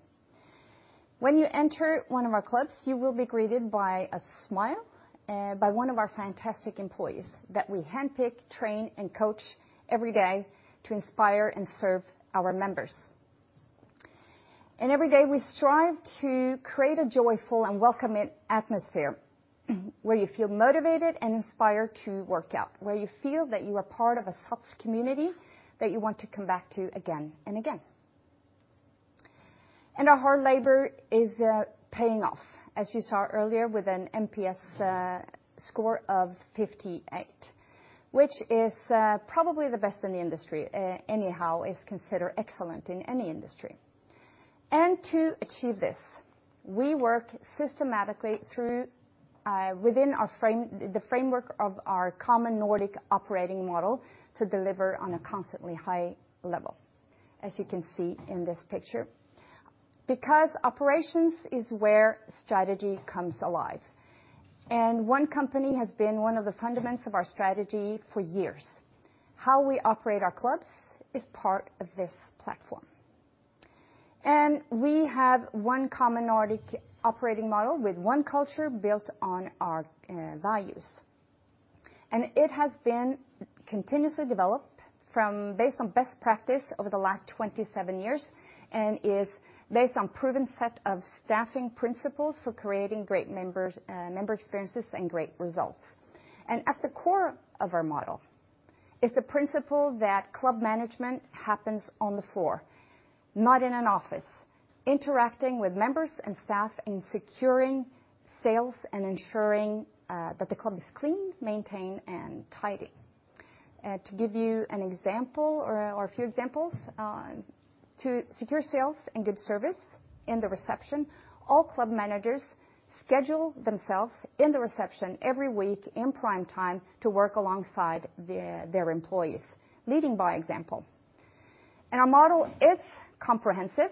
When you enter one of our clubs, you will be greeted by a smile by one of our fantastic employees that we handpick, train, and coach every day to inspire and serve our members. Every day, we strive to create a joyful and welcoming atmosphere where you feel motivated and inspired to work out, where you feel that you are part of a SATS community that you want to come back to again and again. Our hard labor is paying off, as you saw earlier, with an NPS score of 58, which is probably the best in the industry. Anyhow is considered excellent in any industry. To achieve this, we work systematically through within the framework of our common Nordic operating model to deliver on a constantly high level, as you can see in this picture, because operations is where strategy comes alive. One company has been one of the fundamentals of our strategy for years. How we operate our clubs is part of this platform. We have one common Nordic operating model with one culture built on our values. It has been continuously developed based on best practice over the last 27 years, and is based on proven set of staffing principles for creating great members, member experiences and great results. At the core of our model is the principle that club management happens on the floor, not in an office, interacting with members and staff in securing sales and ensuring that the club is clean, maintained, and tidy. To give you an example or a few examples, to secure sales and give service in the reception, all club managers schedule themselves in the reception every week in prime time to work alongside their employees, leading by example. Our model is comprehensive,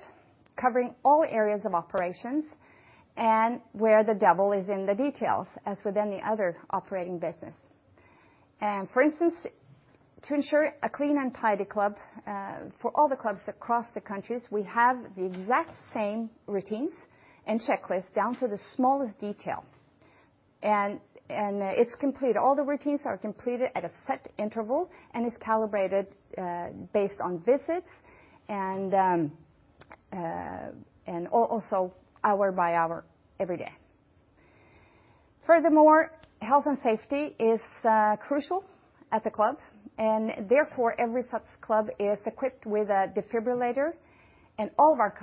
covering all areas of operations and where the devil is in the details, as with any other operating business. For instance, to ensure a clean and tidy club, for all the clubs across the countries, we have the exact same routines and checklists down to the smallest detail. It's complete. All the routines are completed at a set interval and is calibrated, based on visits and also hour by hour every day. Furthermore, health and safety is crucial at the club, and therefore, every SATS club is equipped with a defibrillator, and all of our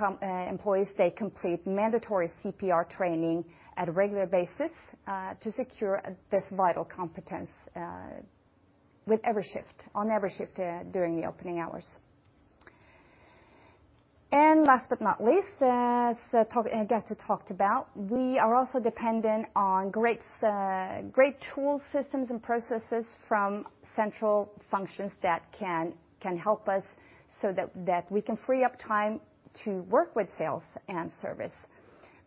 employees, they complete mandatory CPR training on a regular basis, to secure this vital competence, on every shift, during the opening hours. Last but not least, as Gaute talked about, we are also dependent on great tool systems and processes from central functions that can help us so that we can free up time to work with sales and service.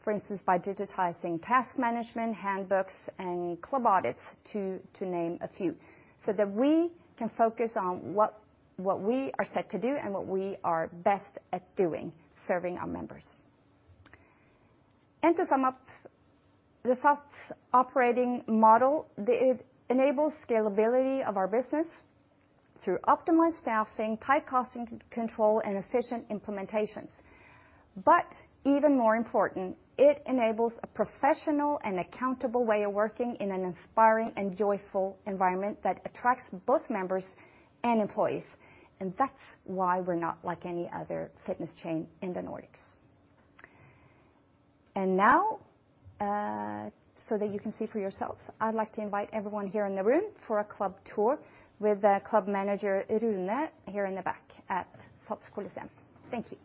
For instance, by digitizing task management, handbooks, and club audits, to name a few, so that we can focus on what we are set to do and what we are best at doing, serving our members. To sum up, the SATS operating model enables scalability of our business through optimized staffing, tight cost control, and efficient implementations. Even more important, it enables a professional and accountable way of working in an inspiring and joyful environment that attracts both members and employees. That's why we're not like any other fitness chain in the Nordics. Now, so that you can see for yourselves, I'd like to invite everyone here in the room for a club tour with the club manager, Rune, here in the back at SATS Colosseum. Thank you.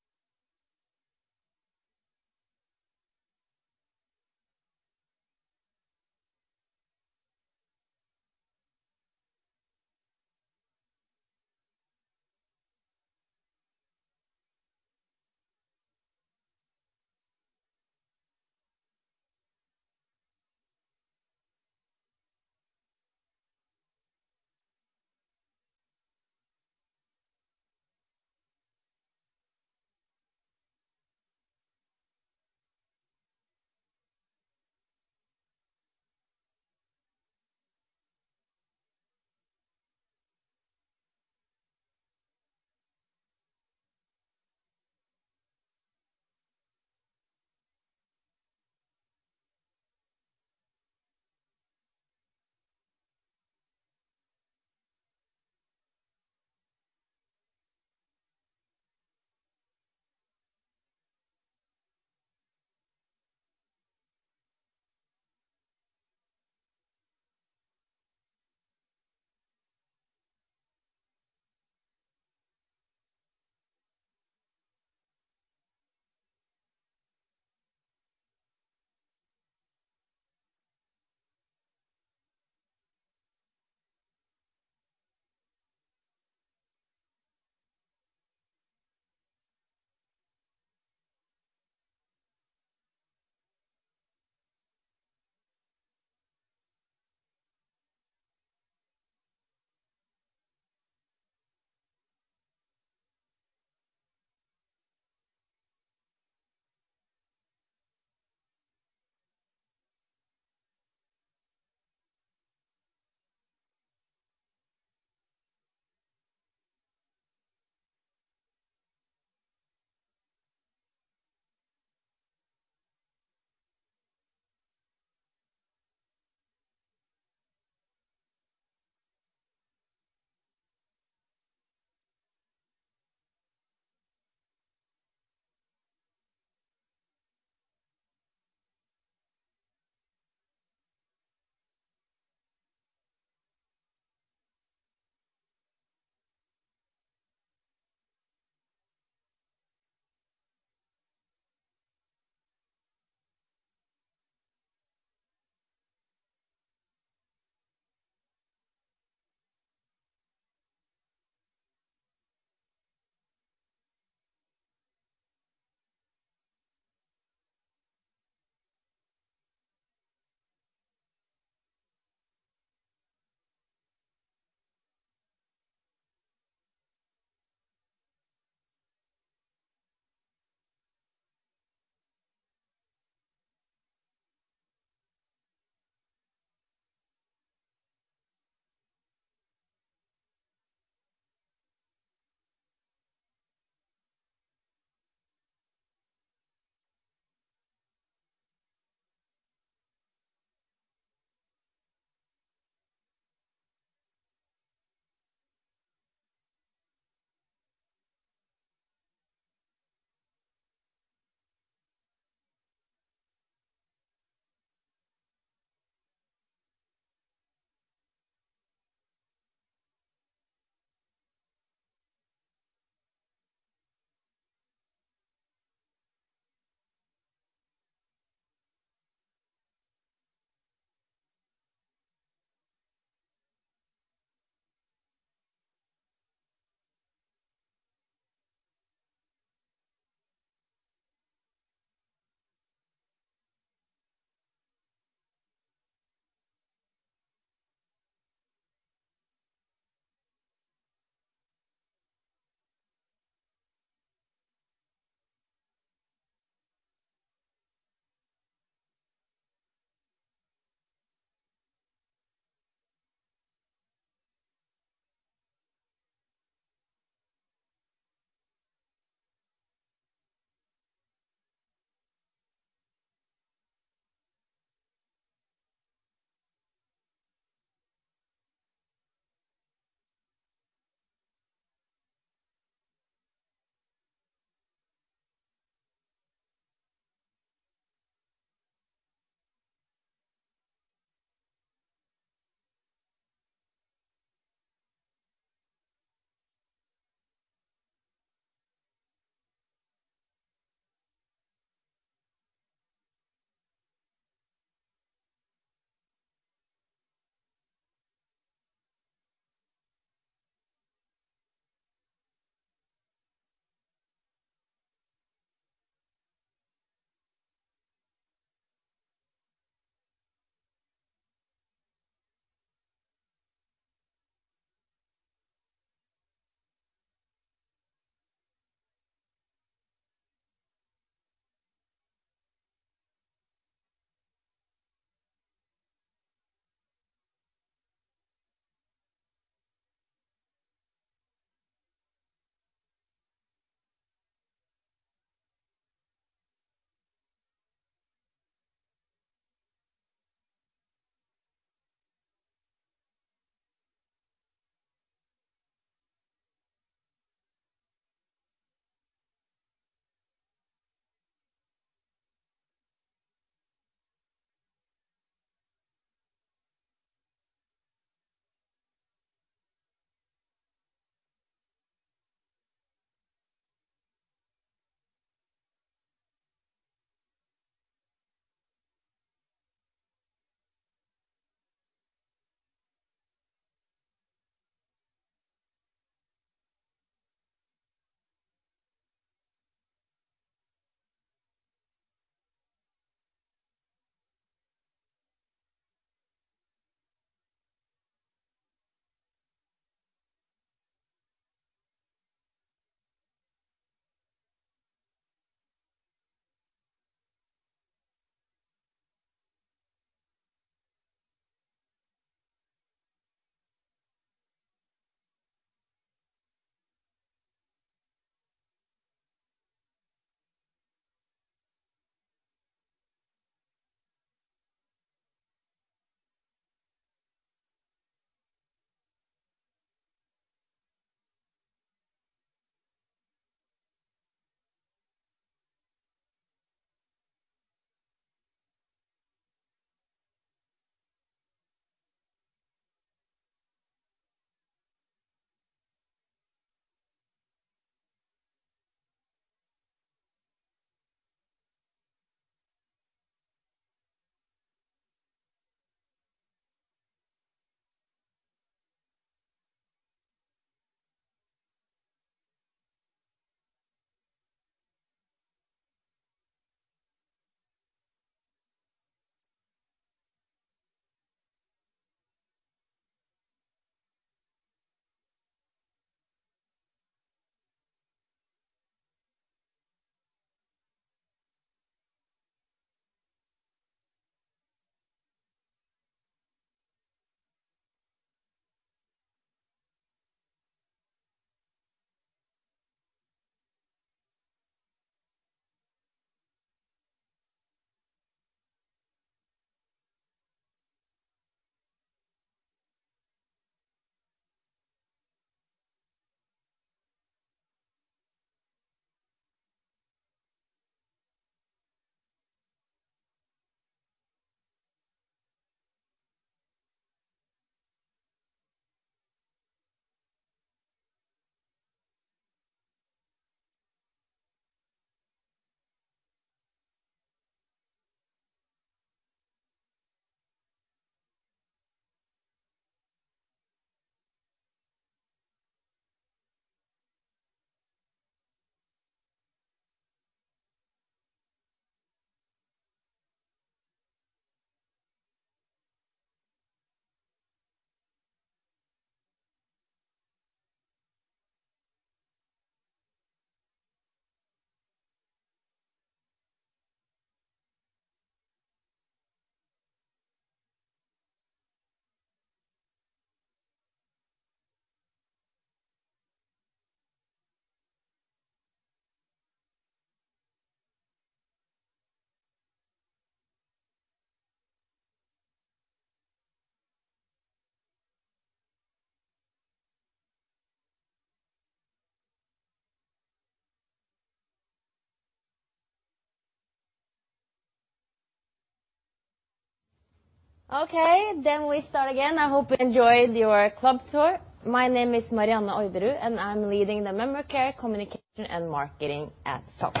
Okay, we start again. I hope you enjoyed your club tour. My name is Marianne Orderud and I'm leading the member care, communication, and marketing at SATS.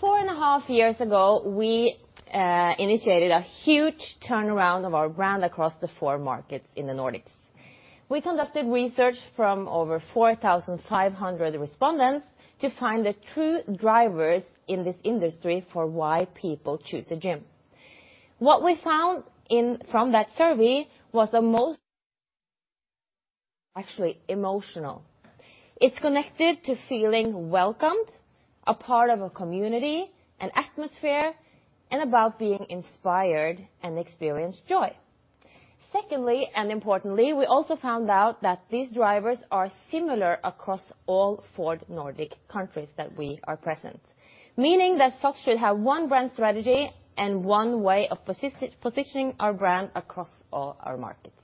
Four and a half years ago, we initiated a huge turnaround of our brand across the four markets in the Nordics. We conducted research from over 4,500 respondents to find the true drivers in this industry for why people choose a gym. What we found from that survey was the most actually emotional. It's connected to feeling welcomed, a part of a community, an atmosphere, and about being inspired and experience joy. Secondly, and importantly, we also found out that these drivers are similar across all four Nordic countries that we are present. Meaning that SATS should have one brand strategy and one way of positioning our brand across all our markets.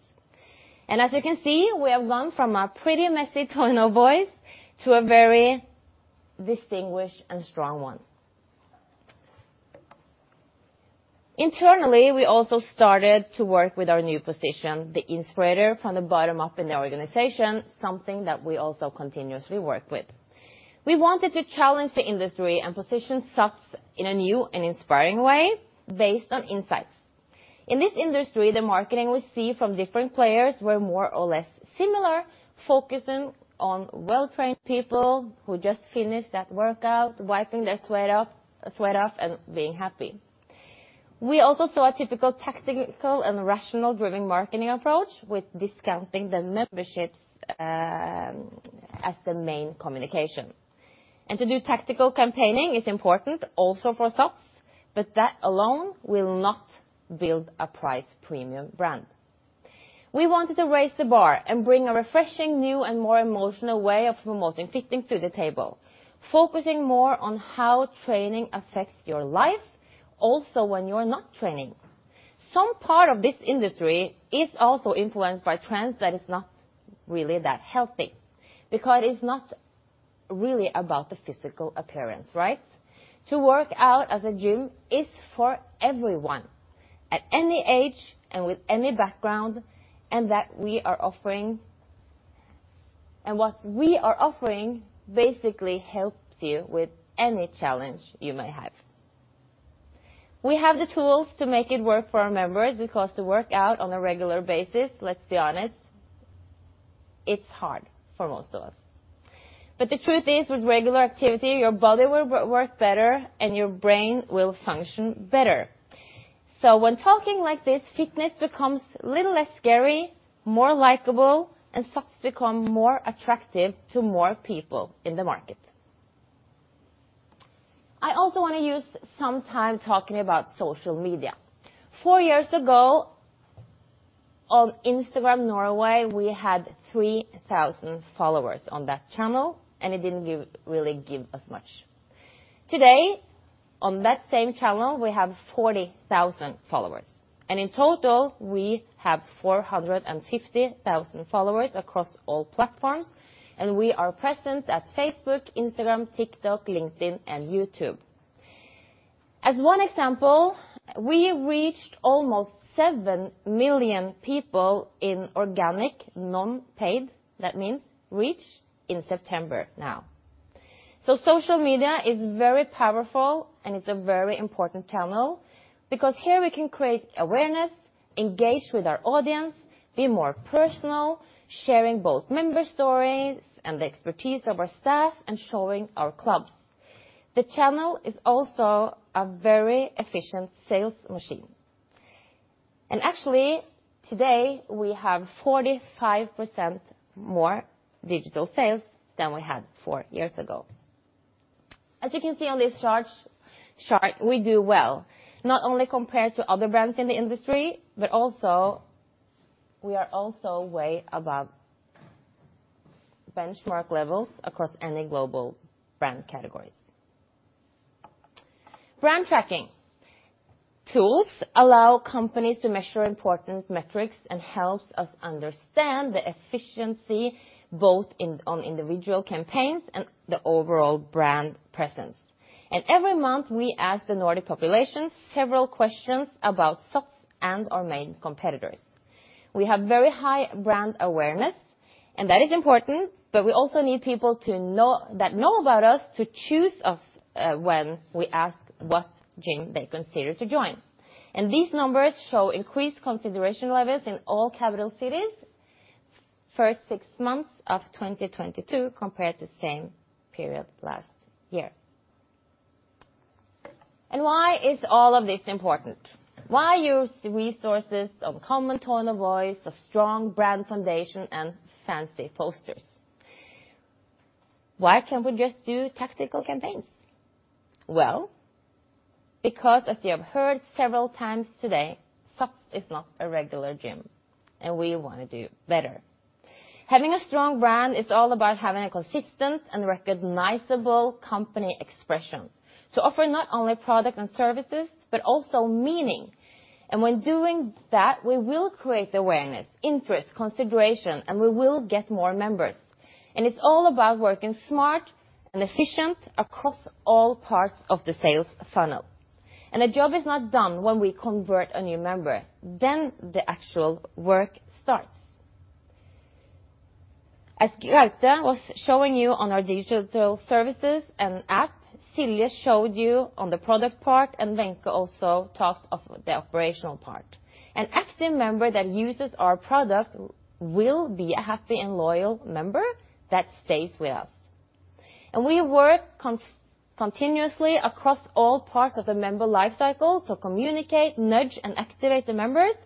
As you can see, we have gone from a pretty messy tone of voice to a very distinguished and strong one. Internally, we also started to work with our new position, the inspirator, from the bottom up in the organization, something that we also continuously work with. We wanted to challenge the industry and position SATS in a new and inspiring way based on insights. In this industry, the marketing we see from different players were more or less similar, focusing on well-trained people who just finished that workout, wiping their sweat off and being happy. We also saw a typical tactical and rational-driven marketing approach, with discounting the memberships, as the main communication. To do tactical campaigning is important also for SATS, but that alone will not build a price premium brand. We wanted to raise the bar and bring a refreshing, new and more emotional way of promoting fitness to the table, focusing more on how training affects your life also when you're not training. Some part of this industry is also influenced by trends that is not really that healthy, because it's not really about the physical appearance, right? To work out at the gym is for everyone at any age and with any background, and that we are offering. What we are offering basically helps you with any challenge you may have. We have the tools to make it work for our members, because to work out on a regular basis, let's be honest, it's hard for most of us. The truth is, with regular activity, your body will work better and your brain will function better. When talking like this, fitness becomes a little less scary, more likable, and SATS become more attractive to more people in the market. I also wanna use some time talking about social media. Four years ago, on Instagram Norway, we had 3,000 followers on that channel, and it didn't really give us much. Today, on that same channel, we have 40,000 followers, and in total, we have 450,000 followers across all platforms, and we are present at Facebook, Instagram, TikTok, LinkedIn and YouTube. As one example, we reached almost 7 million people in organic, non-paid, that means, reach in September now. Social media is very powerful, and it's a very important channel because here we can create awareness, engage with our audience, be more personal, sharing both member stories and the expertise of our staff, and showing our clubs. The channel is also a very efficient sales machine. Actually, today we have 45% more digital sales than we had four years ago. As you can see on this chart, we do well, not only compared to other brands in the industry, but we are also way above benchmark levels across any global brand categories. Brand tracking tools allow companies to measure important metrics and helps us understand the efficiency, both on individual campaigns and the overall brand presence. Every month, we ask the Nordic population several questions about SATS and our main competitors. We have very high brand awareness, and that is important, but we also need people that know about us to choose us, when we ask what gym they consider to join. These numbers show increased consideration levels in all capital cities first six months of 2022 compared to same period last year. Why is all of this important? Why use the resources of common tone of voice, a strong brand foundation, and fancy posters? Why can't we just do tactical campaigns? Well, because as you have heard several times today, SATS is not a regular gym, and we wanna do better. Having a strong brand is all about having a consistent and recognizable company expression to offer not only product and services, but also meaning. When doing that, we will create awareness, interest, consideration, and we will get more members. It's all about working smart and efficient across all parts of the sales funnel. The job is not done when we convert a new member, then the actual work starts. As Gaute was showing you on our digital services and app, Silje showed you on the product part, and Wenche also talked of the operational part. An active member that uses our product will be a happy and loyal member that stays with us. We work continuously across all parts of the member life cycle to communicate, nudge and activate the members.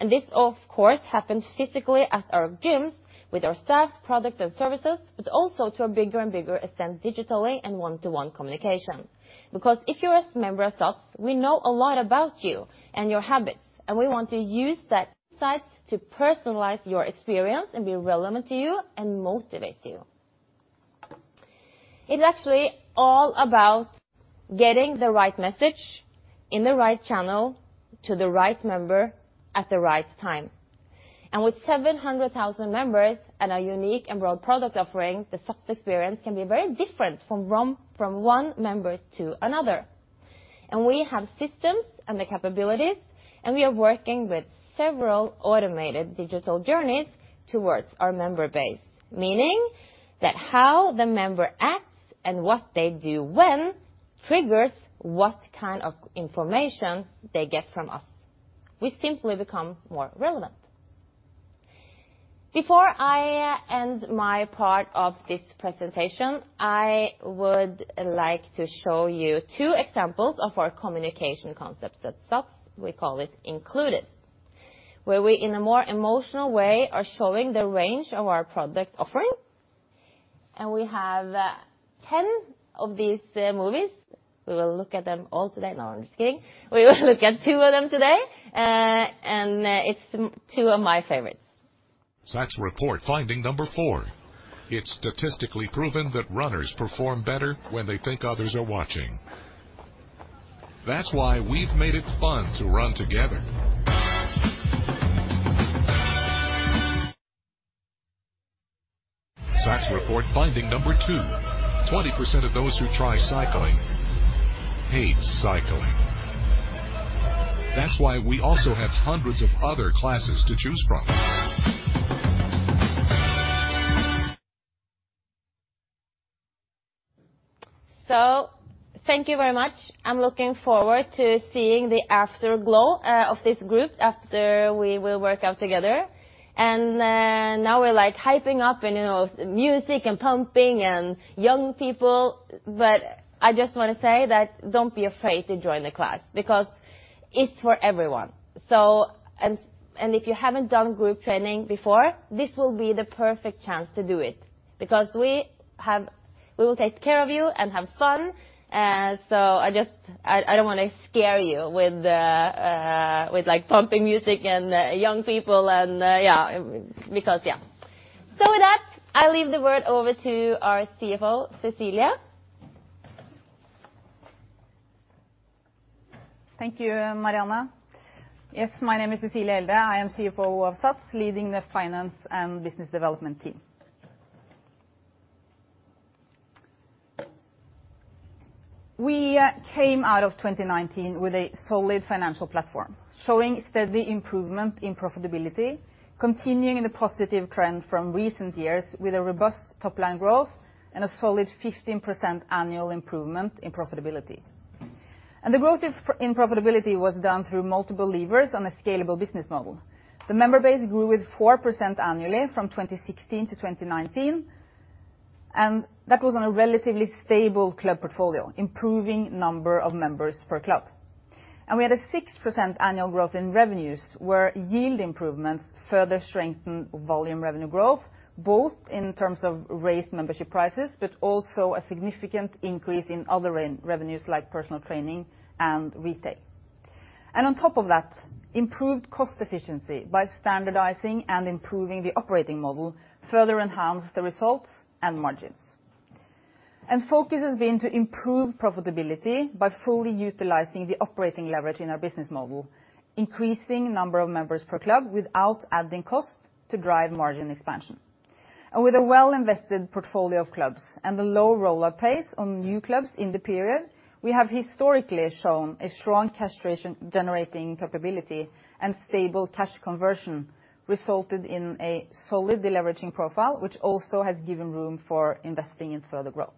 This, of course, happens physically at our gyms with our staff, products and services, but also to a bigger and bigger extent digitally and one-to-one communication. Because if you're a member of SATS, we know a lot about you and your habits, and we want to use those insights to personalize your experience and be relevant to you and motivate you. It's actually all about getting the right message in the right channel to the right member at the right time. With 700,000 members and a unique and broad product offering, the SATS experience can be very different from one member to another. We have systems and the capabilities, and we are working with several automated digital journeys towards our member base. Meaning that how the member acts and what they do when triggers what kind of information they get from us. We simply become more relevant. Before I end my part of this presentation, I would like to show you two examples of our communication concepts. At SATS, we call it Included, where we, in a more emotional way, are showing the range of our product offering. We have 10 of these movies. We will look at them all today. No, I'm just kidding. We will look at two of them today, and it's two of my favorites. SATS report finding number 4. It's statistically proven that runners perform better when they think others are watching. That's why we've made it fun to run together. SATS report finding number 2. 20% of those who try cycling hate cycling. That's why we also have hundreds of other classes to choose from. Thank you very much. I'm looking forward to seeing the afterglow of this group after we will work out together. Now we're, like, hyping up and, you know, music and pumping and young people. I just wanna say that don't be afraid to join the class because it's for everyone. If you haven't done group training before, this will be the perfect chance to do it because we will take care of you and have fun. I don't wanna scare you with, like, pumping music and young people and, yeah, because, yeah. With that, I leave the word over to our CFO, Cecilie. Thank you, Marianne. Yes, my name is Cecilie Elde. I am CFO of SATS, leading the finance and business development team. We came out of 2019 with a solid financial platform, showing steady improvement in profitability, continuing in the positive trend from recent years with a robust top-line growth and a solid 15% annual improvement in profitability. The growth in profitability was done through multiple levers on a scalable business model. The member base grew with 4% annually from 2016 to 2019, and that was on a relatively stable club portfolio, improving number of members per club. We had a 6% annual growth in revenues, where yield improvements further strengthened volume revenue growth, both in terms of raised membership prices, but also a significant increase in other revenues like personal training and retail. Improved cost efficiency by standardizing and improving the operating model further enhanced the results and margins. Focus has been to improve profitability by fully utilizing the operating leverage in our business model, increasing number of members per club without adding cost to drive margin expansion. With a well-invested portfolio of clubs and the low rollout pace on new clubs in the period, we have historically shown a strong cash generation capability and stable cash conversion resulted in a solid deleveraging profile, which also has given room for investing in further growth.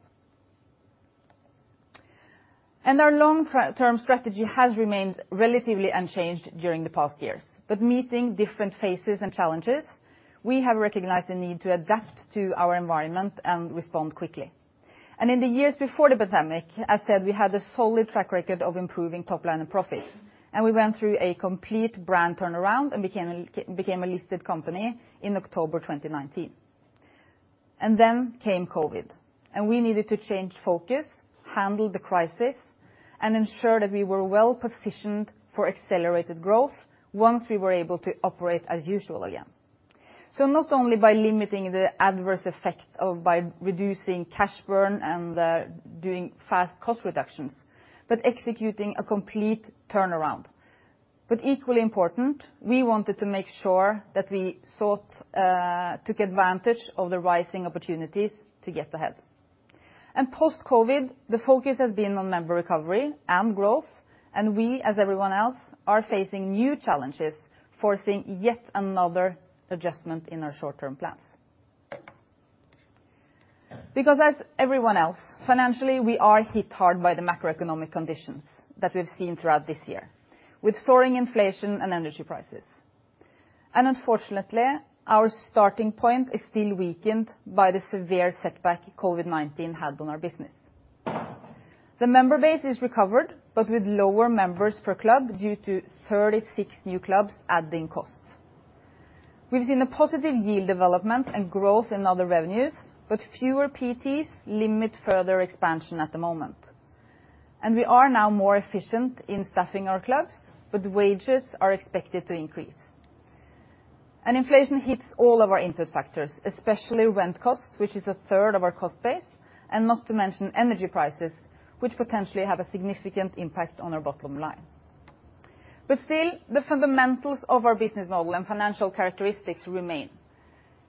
Our long-term strategy has remained relatively unchanged during the past years, but meeting different phases and challenges, we have recognized the need to adapt to our environment and respond quickly. In the years before the pandemic, as said, we had a solid track record of improving top line and profit, and we went through a complete brand turnaround and became a listed company in October 2019. Then came COVID, and we needed to change focus, handle the crisis, and ensure that we were well-positioned for accelerated growth once we were able to operate as usual again. Not only by limiting the adverse effect of by reducing cash burn and doing fast cost reductions, but executing a complete turnaround. Equally important, we wanted to make sure that we took advantage of the rising opportunities to get ahead. Post-COVID, the focus has been on member recovery and growth, and we, as everyone else, are facing new challenges, forcing yet another adjustment in our short-term plans. Because as everyone else, financially, we are hit hard by the macroeconomic conditions that we've seen throughout this year, with soaring inflation and energy prices. Unfortunately, our starting point is still weakened by the severe setback COVID-19 had on our business. The member base is recovered, but with lower members per club due to 36 new clubs adding costs. We've seen a positive yield development and growth in other revenues, but fewer PTs limit further expansion at the moment. We are now more efficient in staffing our clubs, but wages are expected to increase. Inflation hits all of our input factors, especially rent costs, which is a third of our cost base, and not to mention energy prices, which potentially have a significant impact on our bottom line. Still, the fundamentals of our business model and financial characteristics remain.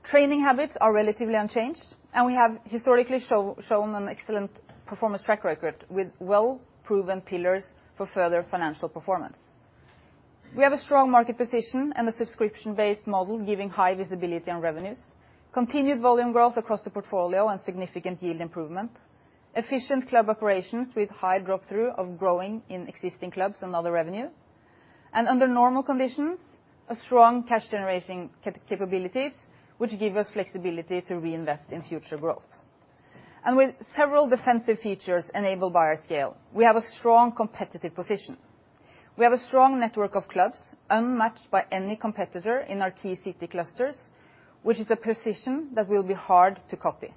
Training habits are relatively unchanged, and we have historically shown an excellent performance track record with well-proven pillars for further financial performance. We have a strong market position and a subscription-based model giving high visibility on revenues, continued volume growth across the portfolio and significant yield improvement, efficient club operations with high drop through of growing in existing clubs and other revenue. Under normal conditions, a strong cash generating capabilities which give us flexibility to reinvest in future growth. With several defensive features enabled by our scale, we have a strong competitive position. We have a strong network of clubs unmatched by any competitor in our key city clusters, which is a position that will be hard to copy.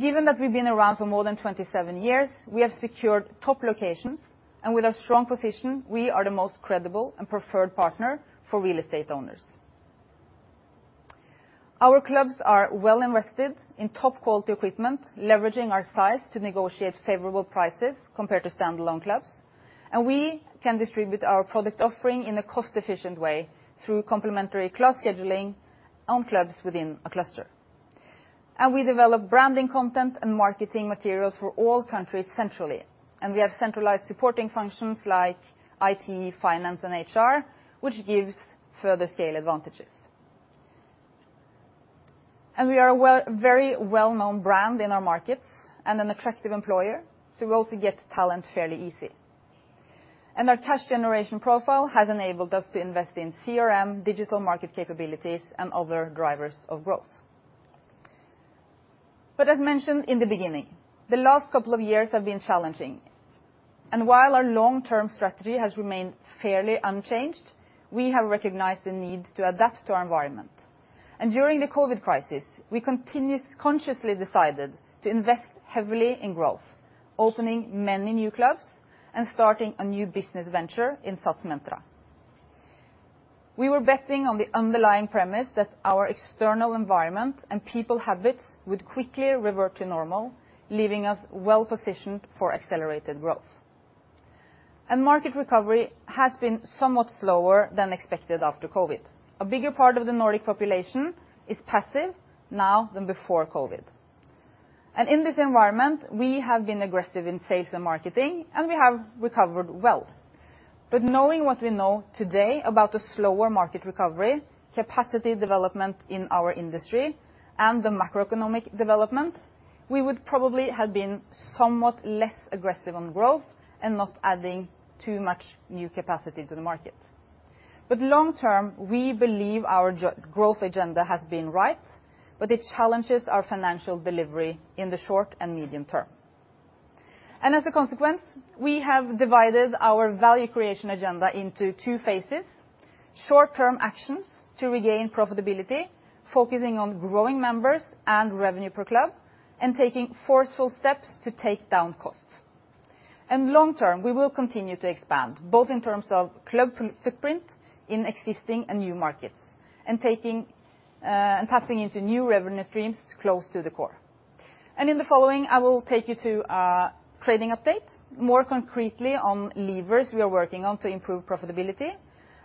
Given that we've been around for more than 27 years, we have secured top locations, and with a strong position, we are the most credible and preferred partner for real estate owners. Our clubs are well invested in top quality equipment, leveraging our size to negotiate favorable prices compared to standalone clubs, and we can distribute our product offering in a cost-efficient way through complementary club scheduling on clubs within a cluster. We develop branding content and marketing materials for all countries centrally, and we have centralized supporting functions like IT, finance, and HR, which gives further scale advantages. We are a very well-known brand in our markets and an attractive employer, so we also get talent fairly easy. Our cash generation profile has enabled us to invest in CRM, digital market capabilities, and other drivers of growth. As mentioned in the beginning, the last couple of years have been challenging, and while our long-term strategy has remained fairly unchanged, we have recognized the need to adapt to our environment. During the COVID crisis, we consciously decided to invest heavily in growth, opening many new clubs and starting a new business venture in SATS Mentra. We were betting on the underlying premise that our external environment and people habits would quickly revert to normal, leaving us well-positioned for accelerated growth. Market recovery has been somewhat slower than expected after COVID. A bigger part of the Nordic population is passive now than before COVID. In this environment, we have been aggressive in sales and marketing, and we have recovered well. Knowing what we know today about the slower market recovery, capacity development in our industry, and the macroeconomic development, we would probably have been somewhat less aggressive on growth and not adding too much new capacity to the market. Long term, we believe our growth agenda has been right, but it challenges our financial delivery in the short and medium term. As a consequence, we have divided our value creation agenda into two phases, short-term actions to regain profitability, focusing on growing members and revenue per club, and taking forceful steps to take down costs. Long term, we will continue to expand, both in terms of club footprint in existing and new markets and taking and tapping into new revenue streams close to the core. In the following, I will take you to a trading update, more concretely on levers we are working on to improve profitability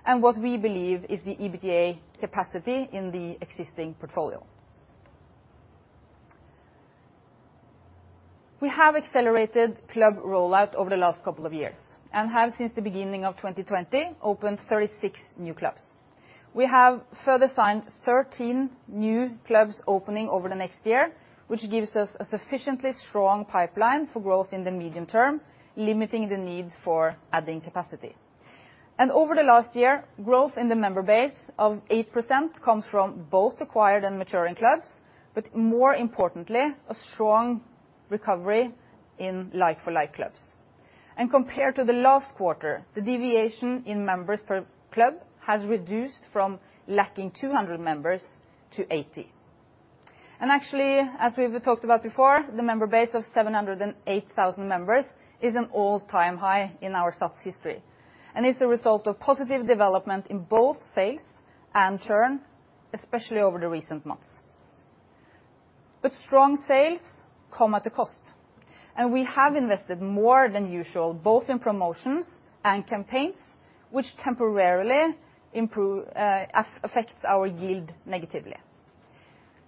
and what we believe is the EBITDA capacity in the existing portfolio. We have accelerated club rollout over the last couple of years and have, since the beginning of 2020, opened 36 new clubs. We have further signed 13 new clubs opening over the next year, which gives us a sufficiently strong pipeline for growth in the medium term, limiting the need for adding capacity. Over the last year, growth in the member base of 8% comes from both acquired and maturing clubs, but more importantly, a strong recovery in like-for-like clubs. Compared to the last quarter, the deviation in members per club has reduced from lacking 200 members to 80. Actually, as we've talked about before, the member base of 708,000 members is an all-time high in our SATS history and is a result of positive development in both sales and churn, especially over the recent months. Strong sales come at a cost, and we have invested more than usual both in promotions and campaigns which temporarily improve as it affects our yield negatively.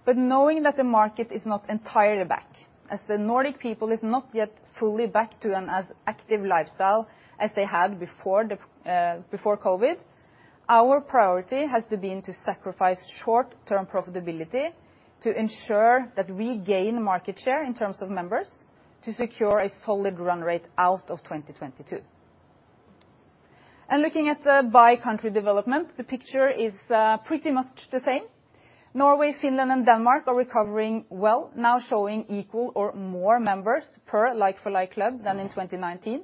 Knowing that the market is not entirely back, as the Nordic people is not yet fully back to an as active lifestyle as they had before COVID, our priority has been to sacrifice short-term profitability to ensure that we gain market share in terms of members to secure a solid run rate out of 2022. Looking at the by country development, the picture is pretty much the same. Norway, Finland, and Denmark are recovering well, now showing equal or more members per like-for-like club than in 2019.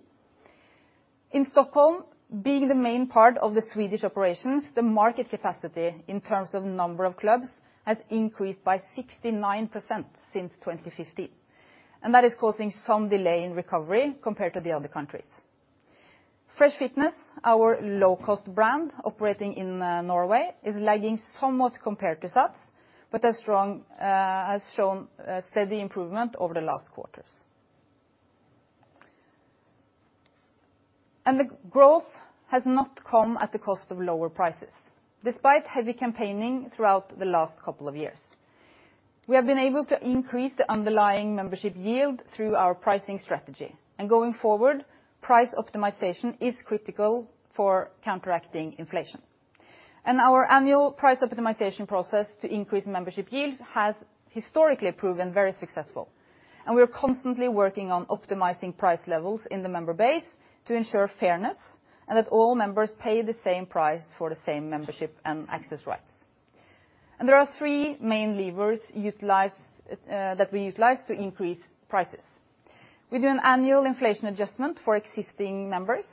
In Stockholm, being the main part of the Swedish operations, the market capacity in terms of number of clubs has increased by 69% since 2015, and that is causing some delay in recovery compared to the other countries. Fresh Fitness, our low-cost brand operating in Norway, is lagging somewhat compared to SATS, but has shown steady improvement over the last quarters. The growth has not come at the cost of lower prices, despite heavy campaigning throughout the last couple of years. We have been able to increase the underlying membership yield through our pricing strategy. Going forward, price optimization is critical for counteracting inflation. Our annual price optimization process to increase membership yields has historically proven very successful, and we are constantly working on optimizing price levels in the member base to ensure fairness, and that all members pay the same price for the same membership and access rights. There are three main levers utilized that we utilize to increase prices. We do an annual inflation adjustment for existing members.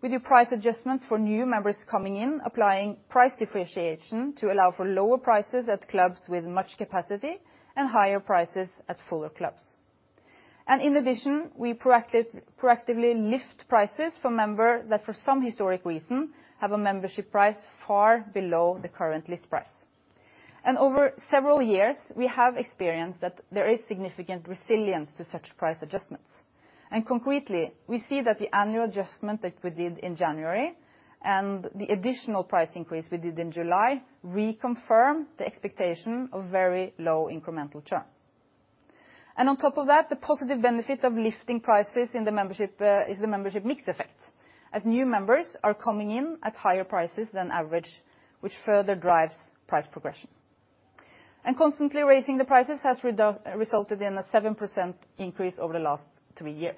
We do price adjustments for new members coming in, applying price differentiation to allow for lower prices at clubs with much capacity and higher prices at fuller clubs. In addition, we proactively lift prices for member that for some historic reason have a membership price far below the current list price. Over several years, we have experienced that there is significant resilience to such price adjustments. Concretely, we see that the annual adjustment that we did in January and the additional price increase we did in July reconfirm the expectation of very low incremental churn. On top of that, the positive benefit of lifting prices in the membership is the membership mix effect, as new members are coming in at higher prices than average, which further drives price progression. Constantly raising the prices has resulted in a 7% increase over the last three years.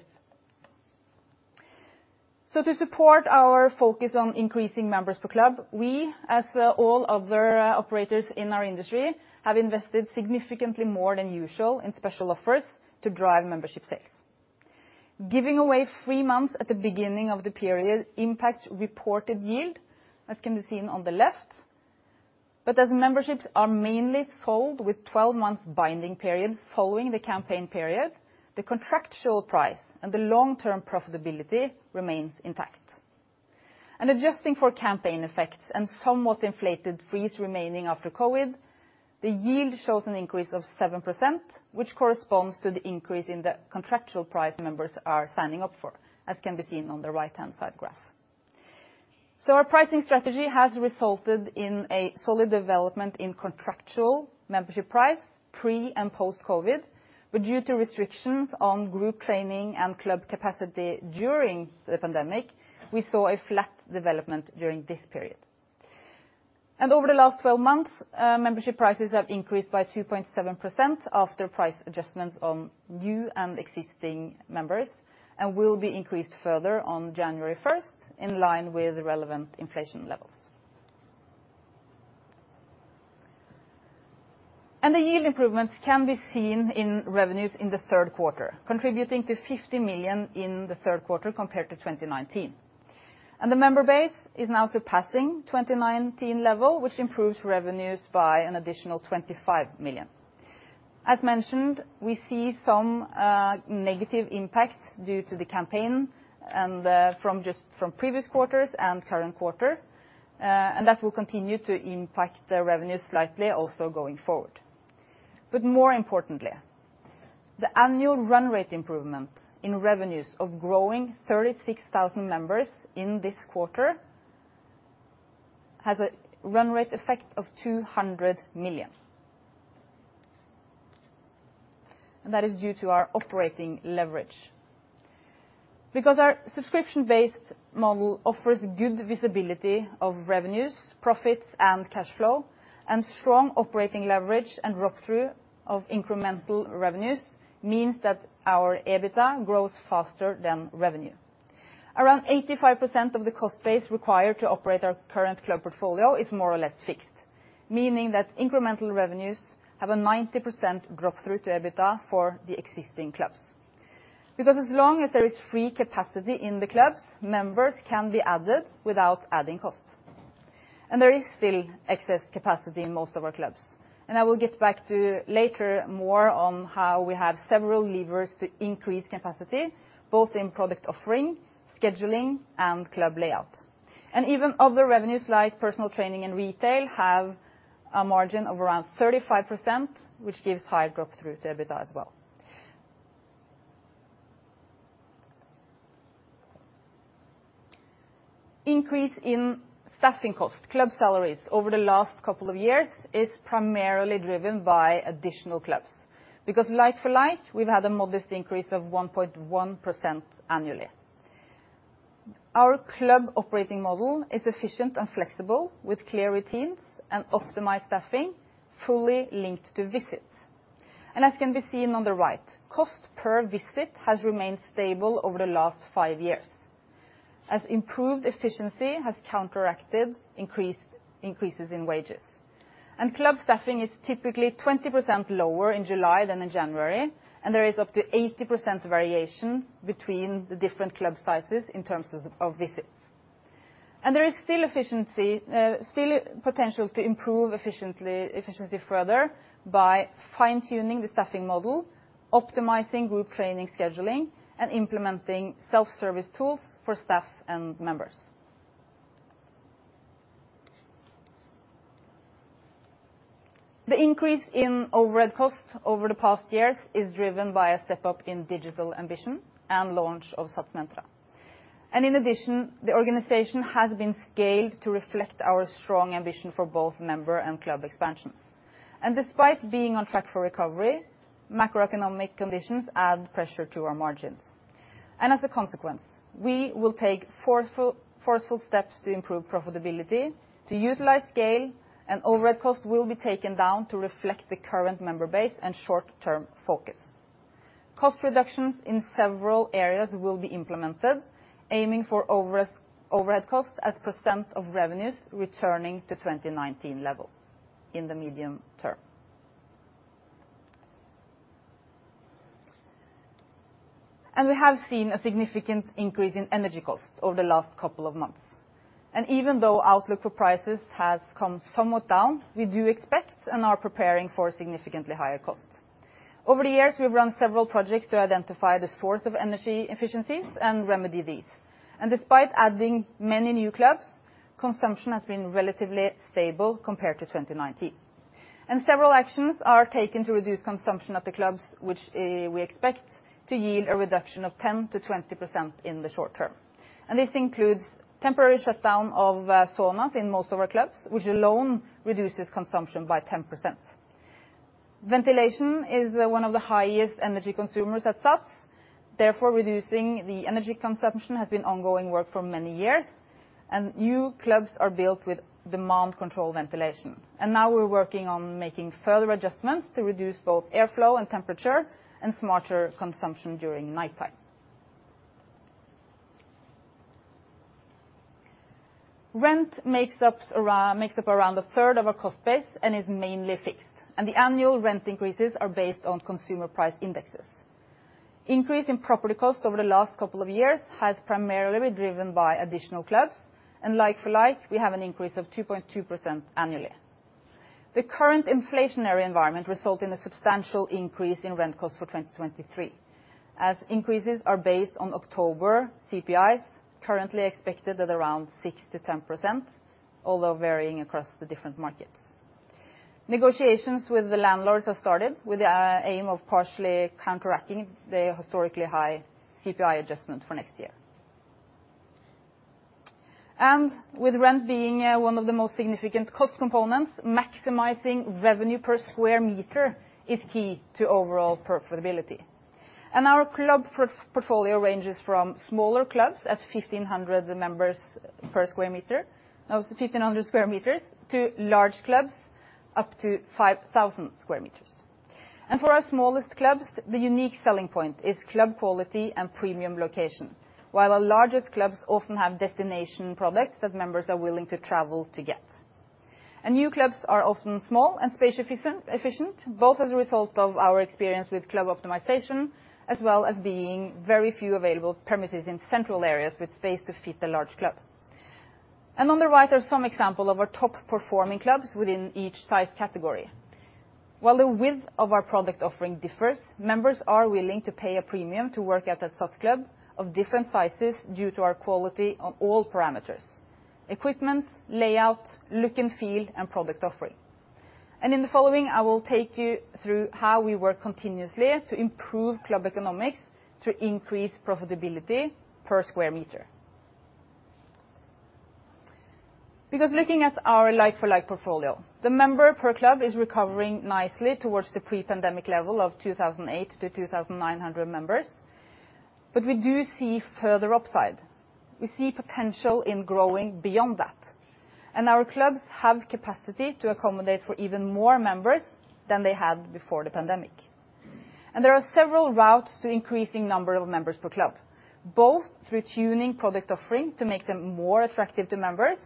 To support our focus on increasing members per club, we, as all other operators in our industry, have invested significantly more than usual in special offers to drive membership sales. Giving away free months at the beginning of the period impacts reported yield, as can be seen on the left. As memberships are mainly sold with 12-month binding periods following the campaign period, the contractual price and the long-term profitability remains intact. Adjusting for campaign effects and somewhat inflated freeze remaining after COVID, the yield shows an increase of 7%, which corresponds to the increase in the contractual price members are signing up for, as can be seen on the right-hand side graph. Our pricing strategy has resulted in a solid development in contractual membership price pre- and post-COVID. Due to restrictions on group training and club capacity during the pandemic, we saw a flat development during this period. Over the last 12 months, membership prices have increased by 2.7% after price adjustments on new and existing members and will be increased further on January first in line with relevant inflation levels. The yield improvements can be seen in revenues in the third quarter, contributing to 50 million in the third quarter compared to 2019. The member base is now surpassing 2019 level, which improves revenues by an additional 25 million. As mentioned, we see some negative impacts due to the campaign and from previous quarters and current quarter, and that will continue to impact the revenue slightly also going forward. More importantly, the annual run rate improvement in revenues of growing 36,000 members in this quarter has a run rate effect of 200 million. That is due to our operating leverage. Because our subscription-based model offers good visibility of revenues, profits, and cash flow, and strong operating leverage and drop-through of incremental revenues means that our EBITDA grows faster than revenue. Around 85% of the cost base required to operate our current club portfolio is more or less fixed, meaning that incremental revenues have a 90% drop-through to EBITDA for the existing clubs. As long as there is free capacity in the clubs, members can be added without adding cost. There is still excess capacity in most of our clubs. I will get back to later more on how we have several levers to increase capacity, both in product offering, scheduling, and club layout. Even other revenues like personal training and retail have a margin of around 35%, which gives high drop-through to EBITDA as well. Increase in staffing cost, club salaries over the last couple of years is primarily driven by additional clubs. Like for like, we've had a modest increase of 1.1% annually. Our club operating model is efficient and flexible with clear routines and optimized staffing fully linked to visits. As can be seen on the right, cost per visit has remained stable over the last five years as improved efficiency has counteracted increases in wages. Club staffing is typically 20% lower in July than in January, and there is up to 80% variation between the different club sizes in terms of visits. There is still potential to improve efficiency further by fine-tuning the staffing model, optimizing group training scheduling, and implementing self-service tools for staff and members. The increase in overhead costs over the past years is driven by a step up in digital ambition and launch of SATS Mentra. In addition, the organization has been scaled to reflect our strong ambition for both member and club expansion. Despite being on track for recovery, macroeconomic conditions add pressure to our margins. As a consequence, we will take forceful steps to improve profitability to utilize scale, and overhead cost will be taken down to reflect the current member base and short-term focus. Cost reductions in several areas will be implemented, aiming for overhead costs as % of revenues returning to 2019 level in the medium term. We have seen a significant increase in energy costs over the last couple of months. Even though outlook for prices has come somewhat down, we do expect and are preparing for significantly higher costs. Over the years, we've run several projects to identify the source of energy efficiencies and remedy these. Despite adding many new clubs, consumption has been relatively stable compared to 2019. Several actions are taken to reduce consumption at the clubs, which we expect to yield a reduction of 10%-20% in the short term. This includes temporary shutdown of saunas in most of our clubs, which alone reduces consumption by 10%. Ventilation is one of the highest energy consumers at SATS, therefore reducing the energy consumption has been ongoing work for many years, and new clubs are built with demand control ventilation. Now we're working on making further adjustments to reduce both airflow and temperature and smarter consumption during nighttime. Rent makes up around a third of our cost base and is mainly fixed, and the annual rent increases are based on consumer price indexes. Increase in property cost over the last couple of years has primarily been driven by additional clubs, and like for like, we have an increase of 2.2% annually. The current inflationary environment result in a substantial increase in rent costs for 2023, as increases are based on October CPIs, currently expected at around 6%-10%, although varying across the different markets. Negotiations with the landlords have started with the aim of partially counteracting the historically high CPI adjustment for next year. With rent being one of the most significant cost components, maximizing revenue per square meter is key to overall profitability. Our club portfolio ranges from smaller clubs at 1,500 members per square meter, also 1,500 square meters, to large clubs up to 5,000 square meters. For our smallest clubs, the unique selling point is club quality and premium location. While our largest clubs often have destination products that members are willing to travel to get. New clubs are often small and space efficient, both as a result of our experience with club optimization, as well as being very few available premises in central areas with space to fit a large club. On the right are some example of our top performing clubs within each size category. While the width of our product offering differs, members are willing to pay a premium to work at a SATS club of different sizes due to our quality on all parameters, equipment, layout, look and feel, and product offering. In the following, I will take you through how we work continuously to improve club economics to increase profitability per square meter. Because looking at our like-for-like portfolio, the member per club is recovering nicely towards the pre-pandemic level of 2,008-2,900 members. We do see further upside. We see potential in growing beyond that. Our clubs have capacity to accommodate for even more members than they had before the pandemic. There are several routes to increasing number of members per club, both through tuning product offering to make them more attractive to members,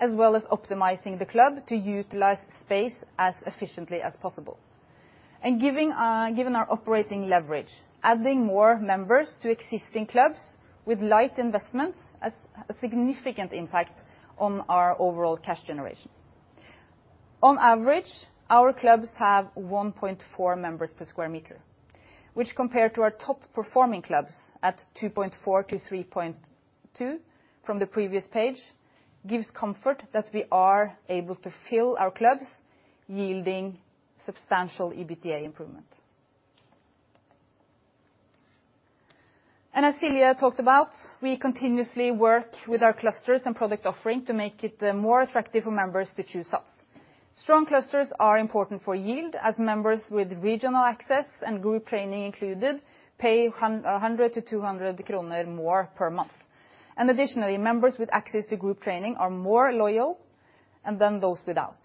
as well as optimizing the club to utilize space as efficiently as possible. Given our operating leverage, adding more members to existing clubs with light investments has a significant impact on our overall cash generation. On average, our clubs have 1.4 members per sq m, which compared to our top performing clubs at 2.4-3.2 from the previous page, gives comfort that we are able to fill our clubs, yielding substantial EBITDA improvements. As Silje Ree talked about, we continuously work with our clusters and product offering to make it more attractive for members to choose us. Strong clusters are important for yield as members with regional access and group training included pay 100-200 kroner more per month. Additionally, members with access to group training are more loyal than those without,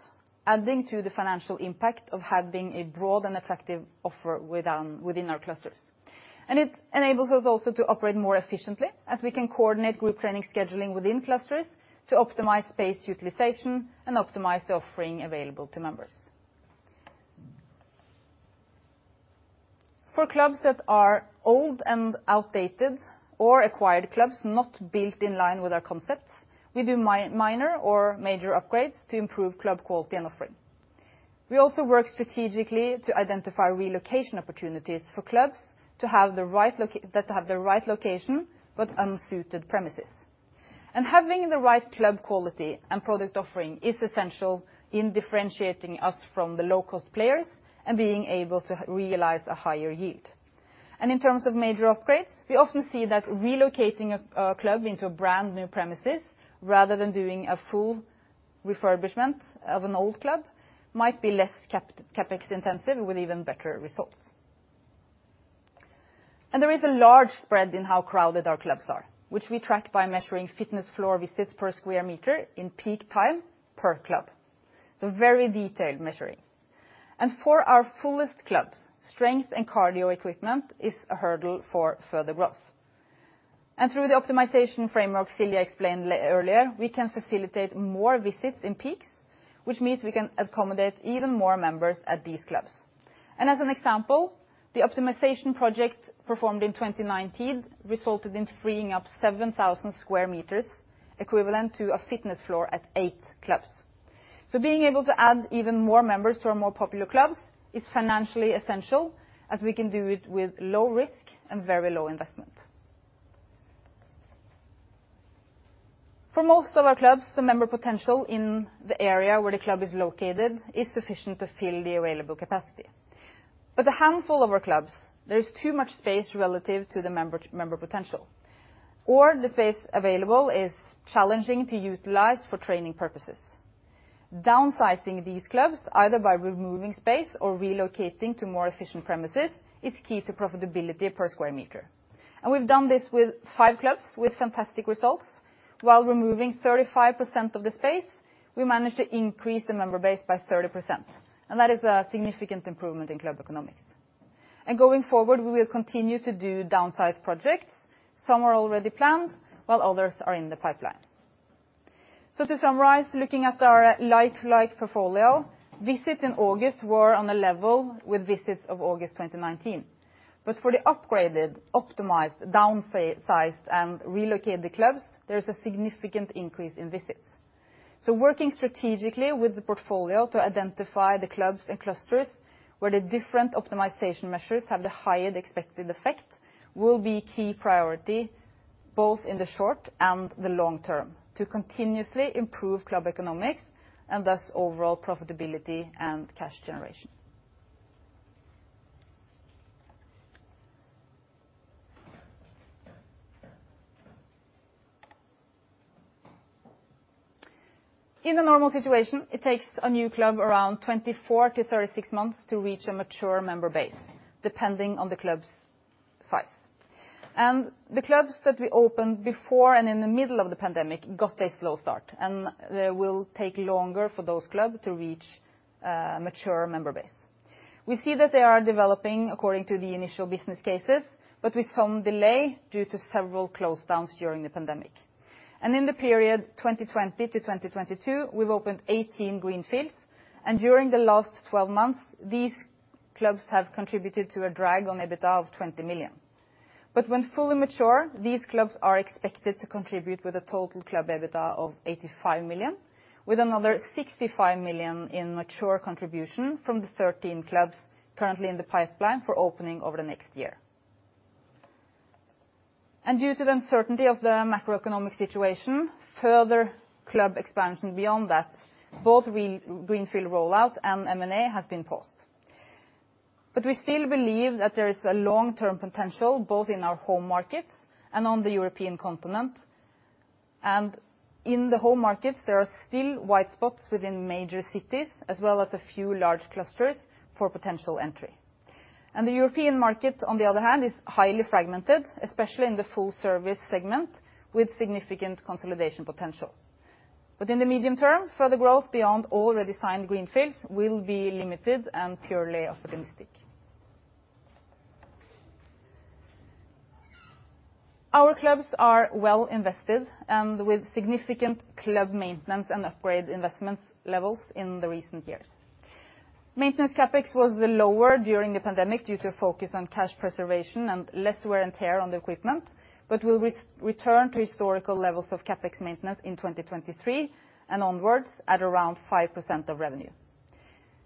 adding to the financial impact of having a broad and effective offer with within our clusters. It enables us also to operate more efficiently as we can coordinate group training scheduling within clusters to optimize space utilization and optimize the offering available to members. For clubs that are old and outdated or acquired clubs not built in line with our concepts, we do minor or major upgrades to improve club quality and offering. We also work strategically to identify relocation opportunities for clubs that have the right location, but unsuited premises. Having the right club quality and product offering is essential in differentiating us from the low-cost players and being able to realize a higher yield. In terms of major upgrades, we often see that relocating a club into a brand-new premises rather than doing a full refurbishment of an old club might be less CapEx intensive with even better results. There is a large spread in how crowded our clubs are, which we track by measuring fitness floor visits per square meter in peak time per club. Very detailed measuring. For our fullest clubs, strength and cardio equipment is a hurdle for further growth. Through the optimization framework Silje explained earlier, we can facilitate more visits in peaks, which means we can accommodate even more members at these clubs. As an example, the optimization project performed in 2019 resulted in freeing up 7,000 square meters, equivalent to a fitness floor at eight clubs. Being able to add even more members to our more popular clubs is financially essential, as we can do it with low risk and very low investment. For most of our clubs, the member potential in the area where the club is located is sufficient to fill the available capacity. A handful of our clubs, there is too much space relative to the member potential, or the space available is challenging to utilize for training purposes. Downsizing these clubs, either by removing space or relocating to more efficient premises, is key to profitability per square meter. We've done this with five clubs with fantastic results. While removing 35% of the space, we managed to increase the member base by 30%, and that is a significant improvement in club economics. Going forward, we will continue to do downsize projects. Some are already planned, while others are in the pipeline. To summarize, looking at our like-for-like portfolio, visits in August were on a level with visits of August 2019. For the upgraded, optimized, downsized, and relocated clubs, there is a significant increase in visits. Working strategically with the portfolio to identify the clubs and clusters where the different optimization measures have the highest expected effect will be key priority both in the short and the long term to continuously improve club economics and thus overall profitability and cash generation. In a normal situation, it takes a new club around 24-36 months to reach a mature member base, depending on the club's size. The clubs that we opened before and in the middle of the pandemic got a slow start, and they will take longer for those clubs to reach mature member base. We see that they are developing according to the initial business cases, but with some delay due to several closures during the pandemic. In the period 2020 to 2022, we've opened 18 greenfields, and during the last 12 months, these clubs have contributed to a drag on EBITDA of 20 million. When fully mature, these clubs are expected to contribute with a total club EBITDA of 85 million, with another 65 million in mature contribution from the 13 clubs currently in the pipeline for opening over the next year. Due to the uncertainty of the macroeconomic situation, further club expansion beyond that, both new greenfield rollout and M&A has been paused. We still believe that there is a long-term potential, both in our home markets and on the European continent. In the home markets, there are still white spots within major cities, as well as a few large clusters for potential entry. The European market, on the other hand, is highly fragmented, especially in the full-service segment, with significant consolidation potential. In the medium term, further growth beyond already signed greenfields will be limited and purely opportunistic. Our clubs are well invested and with significant club maintenance and upgrade investment levels in the recent years. Maintenance CapEx was lower during the pandemic due to a focus on cash preservation and less wear and tear on the equipment, but will return to historical levels of CapEx maintenance in 2023 and onwards at around 5% of revenue.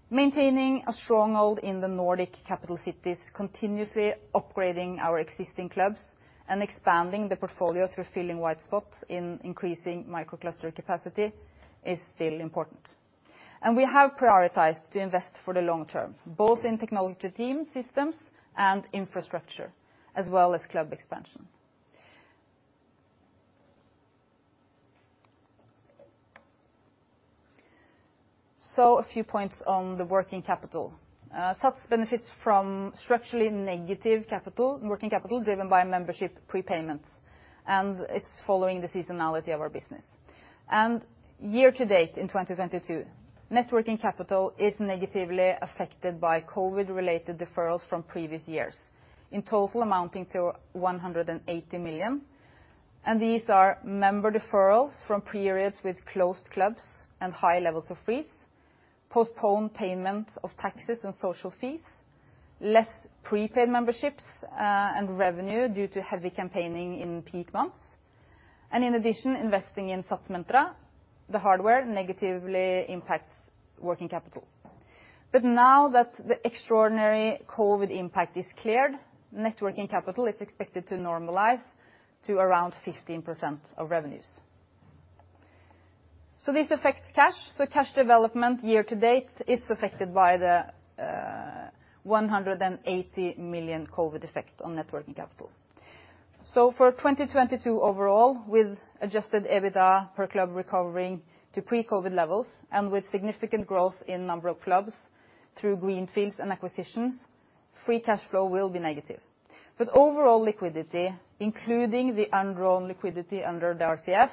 Maintaining a stronghold in the Nordic capital cities, continuously upgrading our existing clubs, and expanding the portfolio through filling white spots in increasing microcluster capacity is still important. We have prioritized to invest for the long term, both in technology team systems and infrastructure, as well as club expansion. A few points on the working capital. SATS benefits from structurally negative working capital driven by membership prepayments, and it's following the seasonality of our business. Year to date in 2022, net working capital is negatively affected by COVID-related deferrals from previous years, in total amounting to 180 million, and these are member deferrals from periods with closed clubs and high levels of freezes, postponed payment of taxes and social fees, less prepaid memberships, and revenue due to heavy campaigning in peak months. In addition, investing in SATS Mentra, the hardware negatively impacts working capital. Now that the extraordinary COVID impact is cleared, net working capital is expected to normalize to around 15% of revenues. This affects cash. Cash development year to date is affected by the 180 million COVID effect on net working capital. For 2022 overall, with adjusted EBITDA per club recovering to pre-COVID levels, and with significant growth in number of clubs through greenfields and acquisitions, free cash flow will be negative. Overall liquidity, including the undrawn liquidity under the RCF,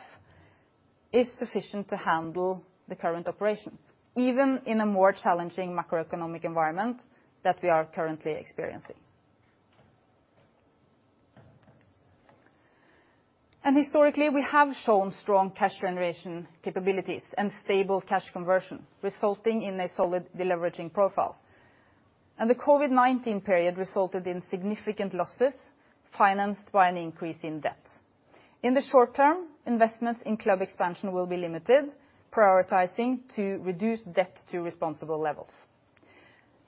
is sufficient to handle the current operations, even in a more challenging macroeconomic environment that we are currently experiencing. Historically, we have shown strong cash generation capabilities and stable cash conversion, resulting in a solid deleveraging profile. The COVID-19 period resulted in significant losses financed by an increase in debt. In the short term, investments in club expansion will be limited, prioritizing to reduce debt to responsible levels.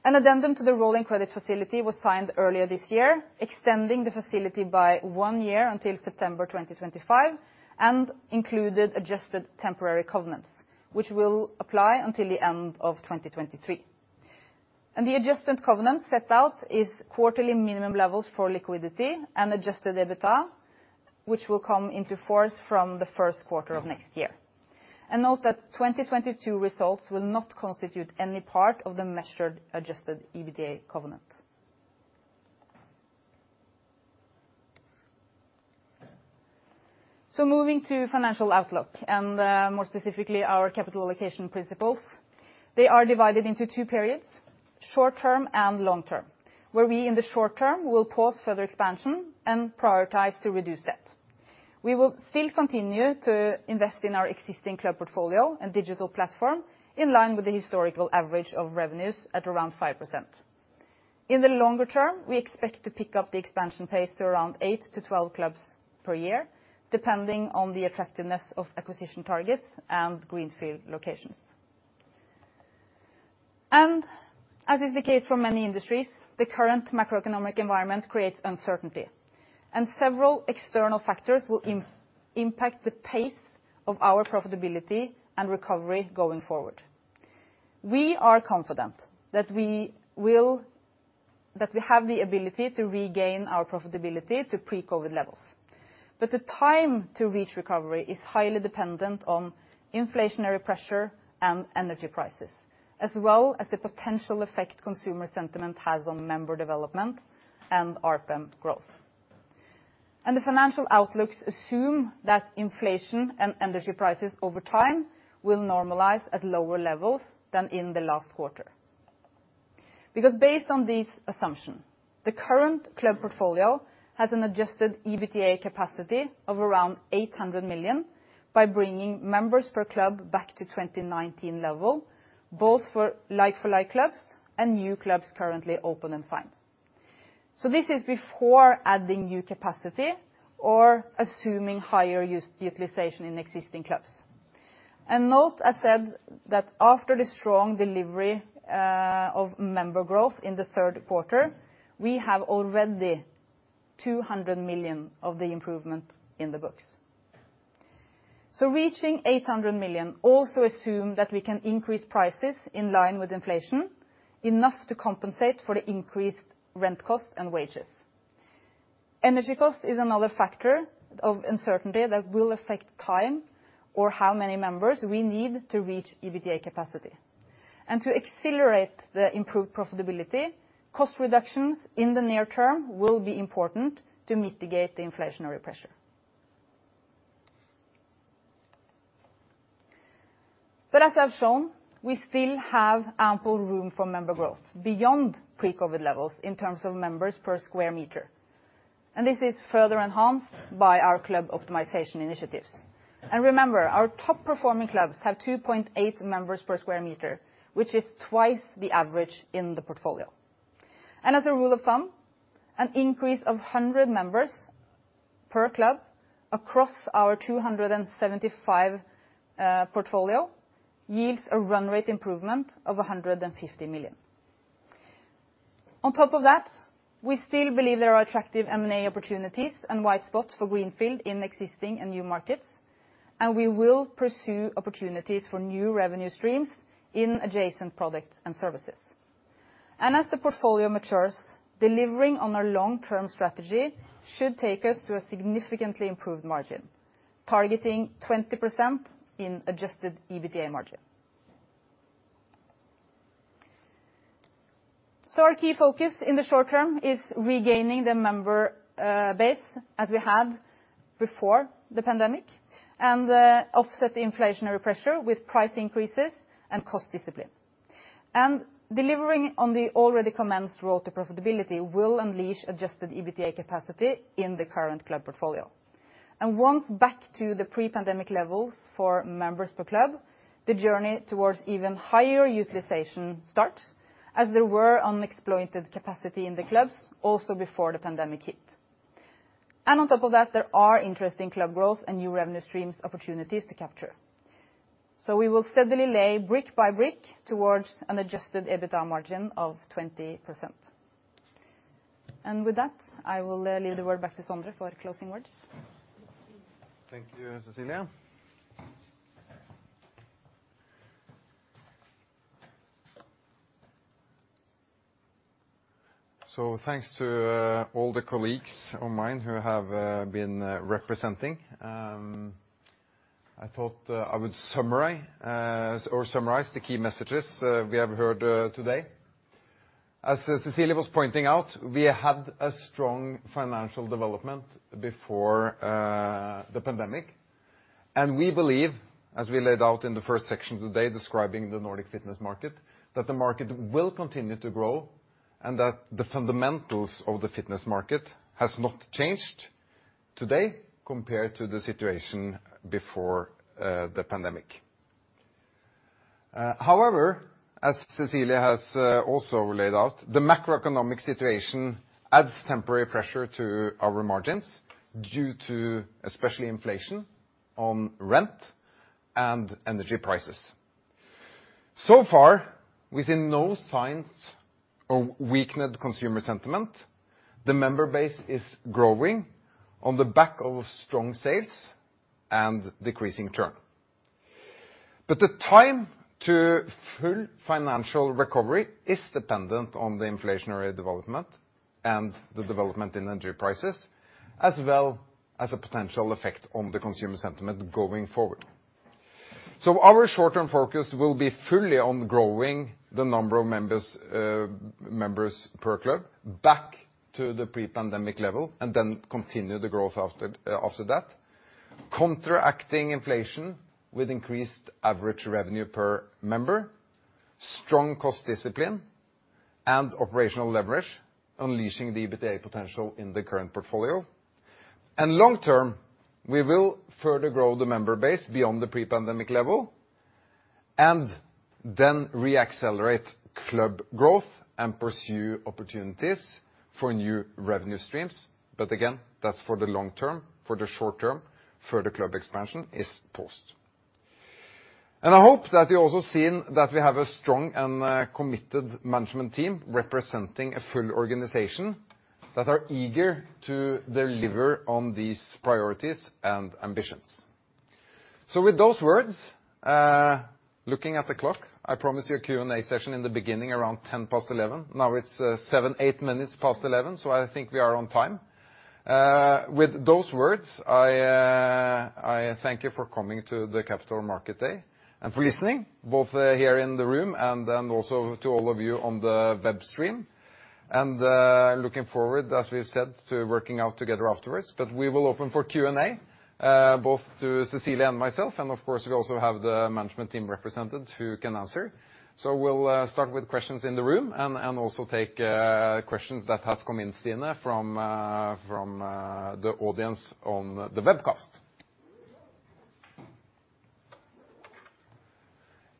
An addendum to the rolling credit facility was signed earlier this year, extending the facility by one year until September 2025, and included adjusted temporary covenants, which will apply until the end of 2023. The adjustment covenant set out is quarterly minimum levels for liquidity and adjusted EBITDA, which will come into force from the first quarter of next year. Note that 2022 results will not constitute any part of the measured adjusted EBITDA covenant. Moving to financial outlook and, more specifically our capital allocation principles, they are divided into two periods, short term and long term, where we, in the short term, will pause further expansion and prioritize to reduce debt. We will still continue to invest in our existing club portfolio and digital platform in line with the historical average of revenues at around 5%. In the longer term, we expect to pick up the expansion pace to around 8-12 clubs per year, depending on the attractiveness of acquisition targets and greenfield locations. As is the case for many industries, the current macroeconomic environment creates uncertainty, and several external factors will impact the pace of our profitability and recovery going forward. We are confident that we have the ability to regain our profitability to pre-COVID levels. The time to reach recovery is highly dependent on inflationary pressure and energy prices, as well as the potential effect consumer sentiment has on member development and ARPM growth. The financial outlooks assume that inflation and energy prices over time will normalize at lower levels than in the last quarter. Because based on this assumption, the current club portfolio has an adjusted EBITDA capacity of around 800 million by bringing members per club back to 2019 level, both for like-for-like clubs and new clubs currently open and signed. This is before adding new capacity or assuming higher utilization in existing clubs. Note I said that after the strong delivery of member growth in the third quarter, we have already 200 million of the improvement in the books. Reaching 800 million also assumes that we can increase prices in line with inflation, enough to compensate for the increased rent costs and wages. Energy cost is another factor of uncertainty that will affect time or how many members we need to reach EBITDA capacity. To accelerate the improved profitability, cost reductions in the near term will be important to mitigate the inflationary pressure. As I've shown, we still have ample room for member growth beyond pre-COVID levels in terms of members per square meter, and this is further enhanced by our club optimization initiatives. Remember, our top performing clubs have 2.8 members per square meter, which is twice the average in the portfolio. As a rule of thumb, an increase of 100 members per club across our 275 portfolio yields a run rate improvement of 150 million. On top of that, we still believe there are attractive M&A opportunities and white spots for Greenfield in existing and new markets, and we will pursue opportunities for new revenue streams in adjacent products and services. As the portfolio matures, delivering on our long-term strategy should take us to a significantly improved margin, targeting 20% in adjusted EBITDA margin. Our key focus in the short term is regaining the member base as we had before the pandemic and offset the inflationary pressure with price increases and cost discipline. Delivering on the already commenced road to profitability will unleash adjusted EBITDA capacity in the current club portfolio. Once back to the pre-pandemic levels for members per club, the journey towards even higher utilization starts, as there were unexploited capacity in the clubs also before the pandemic hit. On top of that, there are interesting club growth and new revenue streams opportunities to capture. We will steadily lay brick by brick towards an adjusted EBITDA margin of 20%. With that, I will leave the word back to Sondre for closing words. Thank you, Cecilie. Thanks to all the colleagues of mine who have been representing. I thought I would summarize the key messages we have heard today. As Cecilie was pointing out, we had a strong financial development before the pandemic, and we believe, as we laid out in the first section today describing the Nordic fitness market, that the market will continue to grow and that the fundamentals of the fitness market has not changed today compared to the situation before the pandemic. However, as Cecilie has also laid out, the macroeconomic situation adds temporary pressure to our margins due to especially inflation on rent and energy prices. So far, we see no signs of weakened consumer sentiment. The member base is growing on the back of strong sales and decreasing churn. The time to full financial recovery is dependent on the inflationary development and the development in energy prices, as well as a potential effect on the consumer sentiment going forward. Our short-term focus will be fully on growing the number of members per club back to the pre-pandemic level and then continue the growth after that. Counteracting inflation with increased average revenue per member, strong cost discipline and operational leverage, unleashing the EBITDA potential in the current portfolio. Long term, we will further grow the member base beyond the pre-pandemic level and then re-accelerate club growth and pursue opportunities for new revenue streams. Again, that's for the long term. For the short term, further club expansion is paused. I hope that you've also seen that we have a strong and committed management team representing a full organization that are eager to deliver on these priorities and ambitions. With those words, looking at the clock, I promised you a Q&A session in the beginning around 11:10 A.M. Now it's seven, eight minutes past 11:00, so I think we are on time. With those words, I thank you for coming to the Capital Markets Day and for listening, both here in the room and then also to all of you on the web stream. Looking forward, as we've said, to working out together afterwards. We will open for Q&A both to Cecilie and myself, and of course we also have the management team represented who can answer. We'll start with questions in the room and also take questions that has come in, Stine, from the audience on the webcast.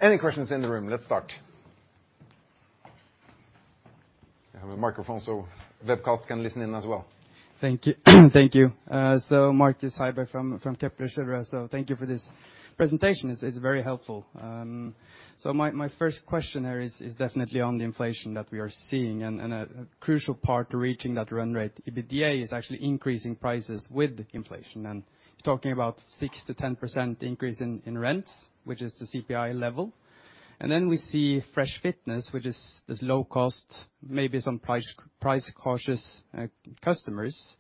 Any questions in the room? Let's start. We have a microphone so webcast can listen in as well. Thank you. Marcus Heiberg from Kepler Cheuvreux. Thank you for this presentation. It's very helpful. My first question here is definitely on the inflation that we are seeing and a crucial part to reaching that run rate EBITDA is actually increasing prices with inflation and talking about 6%-10% increase in rents, which is the CPI level. Then we see Fresh Fitness, which is this low-cost, maybe some price-cautious customers.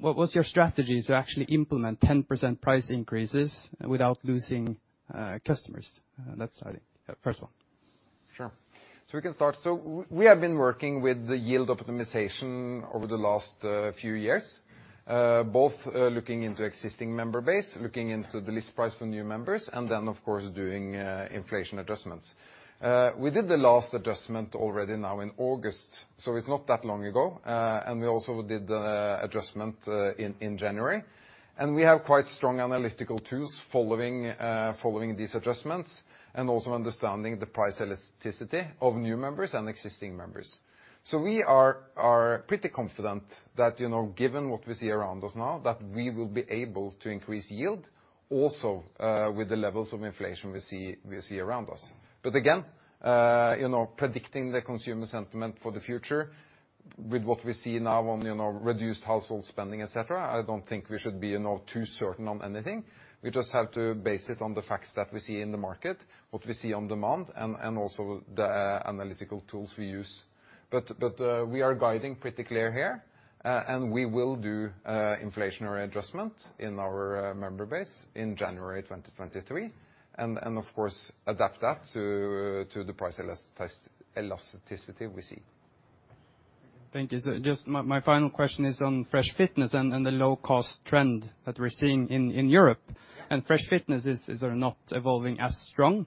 What's your strategy to actually implement 10% price increases without losing customers? That's first one. We can start. We have been working with the yield optimization over the last few years, both looking into existing member base, looking into the list price for new members, and then of course doing inflation adjustments. We did the last adjustment already now in August, so it's not that long ago. We also did adjustment in January. We have quite strong analytical tools following these adjustments and also understanding the price elasticity of new members and existing members. We are pretty confident that, you know, given what we see around us now, that we will be able to increase yield also with the levels of inflation we see around us. Again, you know, predicting the consumer sentiment for the future with what we see now on, you know, reduced household spending, et cetera, I don't think we should be, you know, too certain on anything. We just have to base it on the facts that we see in the market, what we see on demand and also the analytical tools we use. We are guiding pretty clear here, and we will do inflationary adjustment in our member base in January 2023 and of course adapt that to the price elasticity we see. Thank you. Just my final question is on Fresh Fitness and the low-cost trend that we're seeing in Europe. Fresh Fitness, is it they're not evolving as strong?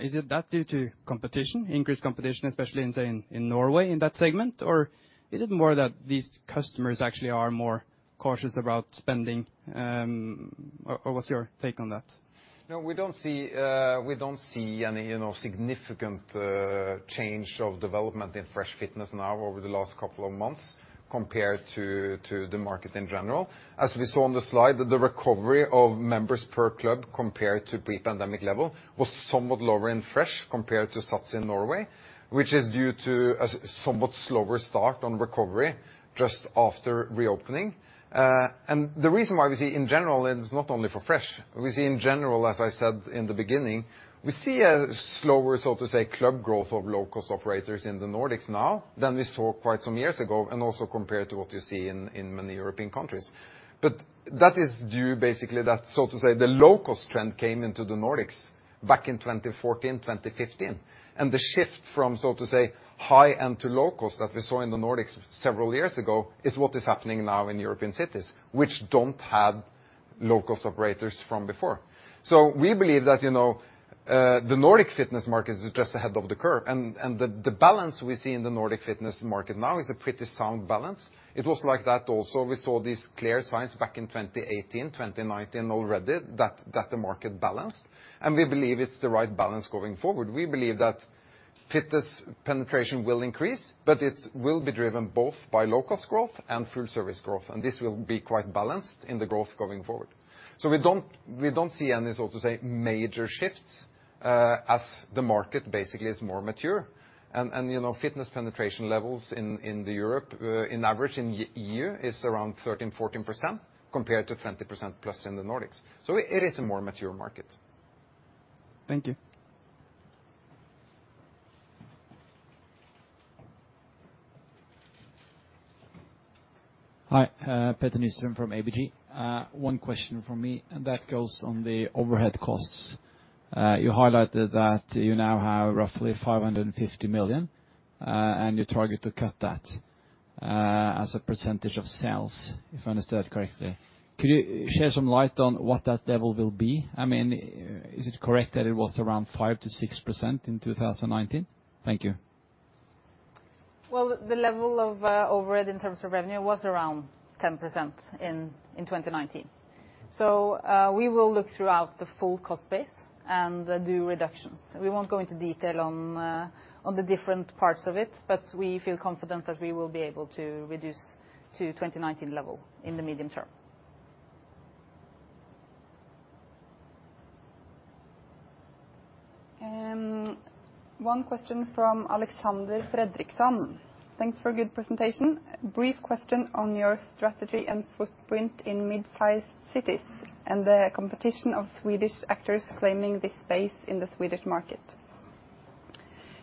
Is it due to competition, increased competition, especially, say, in Norway in that segment? Or is it more that these customers actually are more cautious about spending, or what's your take on that? No, we don't see any, you know, significant change of development in Fresh Fitness now over the last couple of months compared to the market in general. As we saw on the slide, the recovery of members per club compared to pre-pandemic level was somewhat lower in Fresh compared to SATS in Norway, which is due to a somewhat slower start on recovery just after reopening. The reason why we see in general is not only for Fresh. We see in general, as I said in the beginning, we see a slower, so to say, club growth of low-cost operators in the Nordics now than we saw quite some years ago and also compared to what you see in many European countries. That is due to basically that, so to say, the low-cost trend came into the Nordics back in 2014, 2015. The shift from, so to say, high-end to low-cost that we saw in the Nordics several years ago is what is happening now in European cities, which don't have low-cost operators from before. We believe that, you know, the Nordic fitness market is just ahead of the curve. The balance we see in the Nordic fitness market now is a pretty sound balance. It was like that also. We saw these clear signs back in 2018, 2019 already that the market balanced, and we believe it's the right balance going forward. We believe that fitness penetration will increase, but it will be driven both by low-cost growth and full service growth, and this will be quite balanced in the growth going forward. We don't see any, so to say, major shifts as the market basically is more mature. You know, fitness penetration levels in Europe on average is around 13%-14% compared to 20% plus in the Nordics. It is a more mature market. Thank you. Hi, Petter Nyström from ABG. One question from me, and that goes on the overhead costs. You highlighted that you now have roughly 550 million, and you target to cut that, as a percentage of sales, if I understood correctly. Could you shed some light on what that level will be? I mean, is it correct that it was around 5%-6% in 2019? Thank you. Well, the level of overhead in terms of revenue was around 10% in 2019. We will look throughout the full cost base and do reductions. We won't go into detail on the different parts of it, but we feel confident that we will be able to reduce to 2019 level in the medium term. One question from Alexander Fredriksson. Thanks for a good presentation. Brief question on your strategy and footprint in mid-sized cities and the competition of Swedish actors claiming this space in the Swedish market.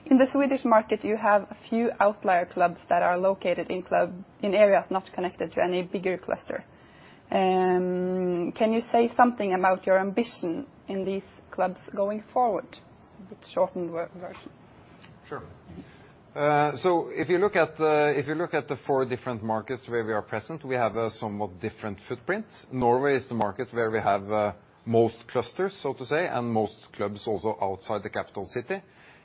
In the Swedish market, you have a few outlier clubs that are located in areas not connected to any bigger cluster. Can you say something about your ambition in these clubs going forward? A bit shortened version. Sure. Mm-hmm. If you look at the four different markets where we are present, we have somewhat different footprints. Norway is the market where we have most clusters, so to say, and most clubs also outside the capital city.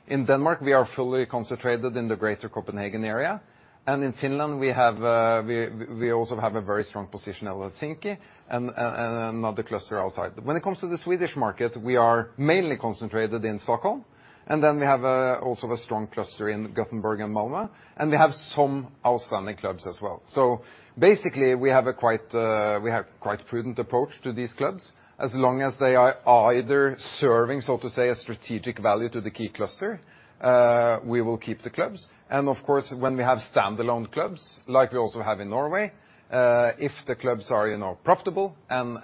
In Denmark, we are fully concentrated in the greater Copenhagen area. In Finland, we also have a very strong position at Helsinki and another cluster outside. When it comes to the Swedish market, we are mainly concentrated in Stockholm, and then we also have a strong cluster in Gothenburg and Malmö, and we have some outstanding clubs as well. Basically, we have quite a prudent approach to these clubs. As long as they are either serving, so to say, a strategic value to the key cluster, we will keep the clubs. Of course, when we have standalone clubs, like we also have in Norway, if the clubs are, you know, profitable and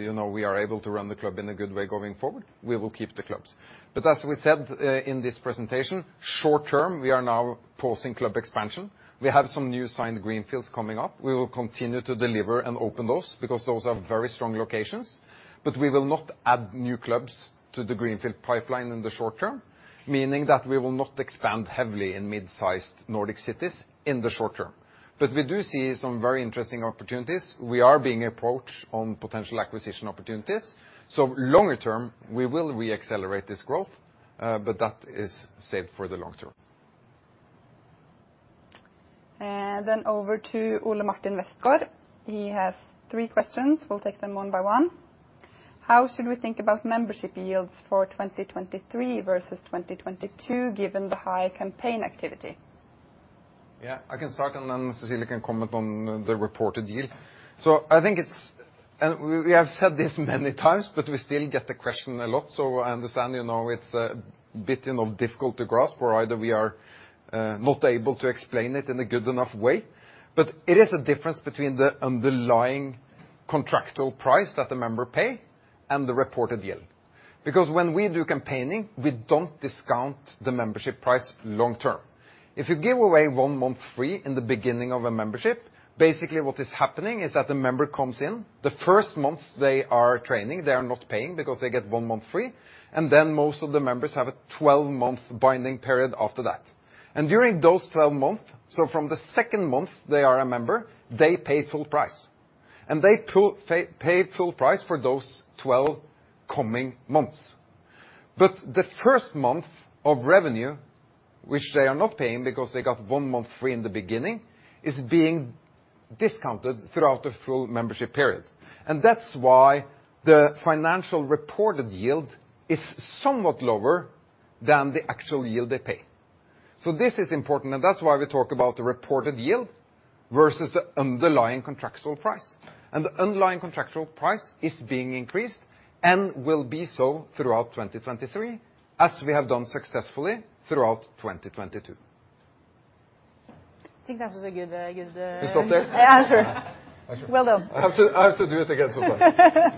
you know, we are able to run the club in a good way going forward, we will keep the clubs. As we said, in this presentation, short-term, we are now pausing club expansion. We have some new signed greenfields coming up. We will continue to deliver and open those because those are very strong locations. We will not add new clubs to the greenfield pipeline in the short term, meaning that we will not expand heavily in mid-sized Nordic cities in the short term. We do see some very interesting opportunities. We are being approached on potential acquisition opportunities. Longer term, we will re-accelerate this growth, but that is saved for the long term. Over to Ole Martin Vestgaard. He has three questions. We'll take them one by one. How should we think about membership yields for 2023 versus 2022 given the high campaign activity? Yeah, I can start and then Cecilie can comment on the reported yield. I think it's, and we have said this many times, but we still get the question a lot. I understand, you know, it's a bit, you know, difficult to grasp or either we are not able to explain it in a good enough way. It is a difference between the underlying contractual price that the member pay and the reported yield. Because when we do campaigning, we don't discount the membership price long term. If you give away 1 month free in the beginning of a membership, basically what is happening is that the member comes in. The first month they are training, they are not paying because they get 1 month free, and then most of the members have a 12-month binding period after that. During those 12 months, so from the second month they are a member, they pay full price. They pay full price for those 12 coming months. The first month of revenue, which they are not paying because they got one month free in the beginning, is being discounted throughout the full membership period. That's why the financial reported yield is somewhat lower than the actual yield they pay. This is important, and that's why we talk about the reported yield versus the underlying contractual price. The underlying contractual price is being increased and will be so throughout 2023, as we have done successfully throughout 2022. I think that was a good. It's up there? Answer. Well done. I have to do it again sometimes.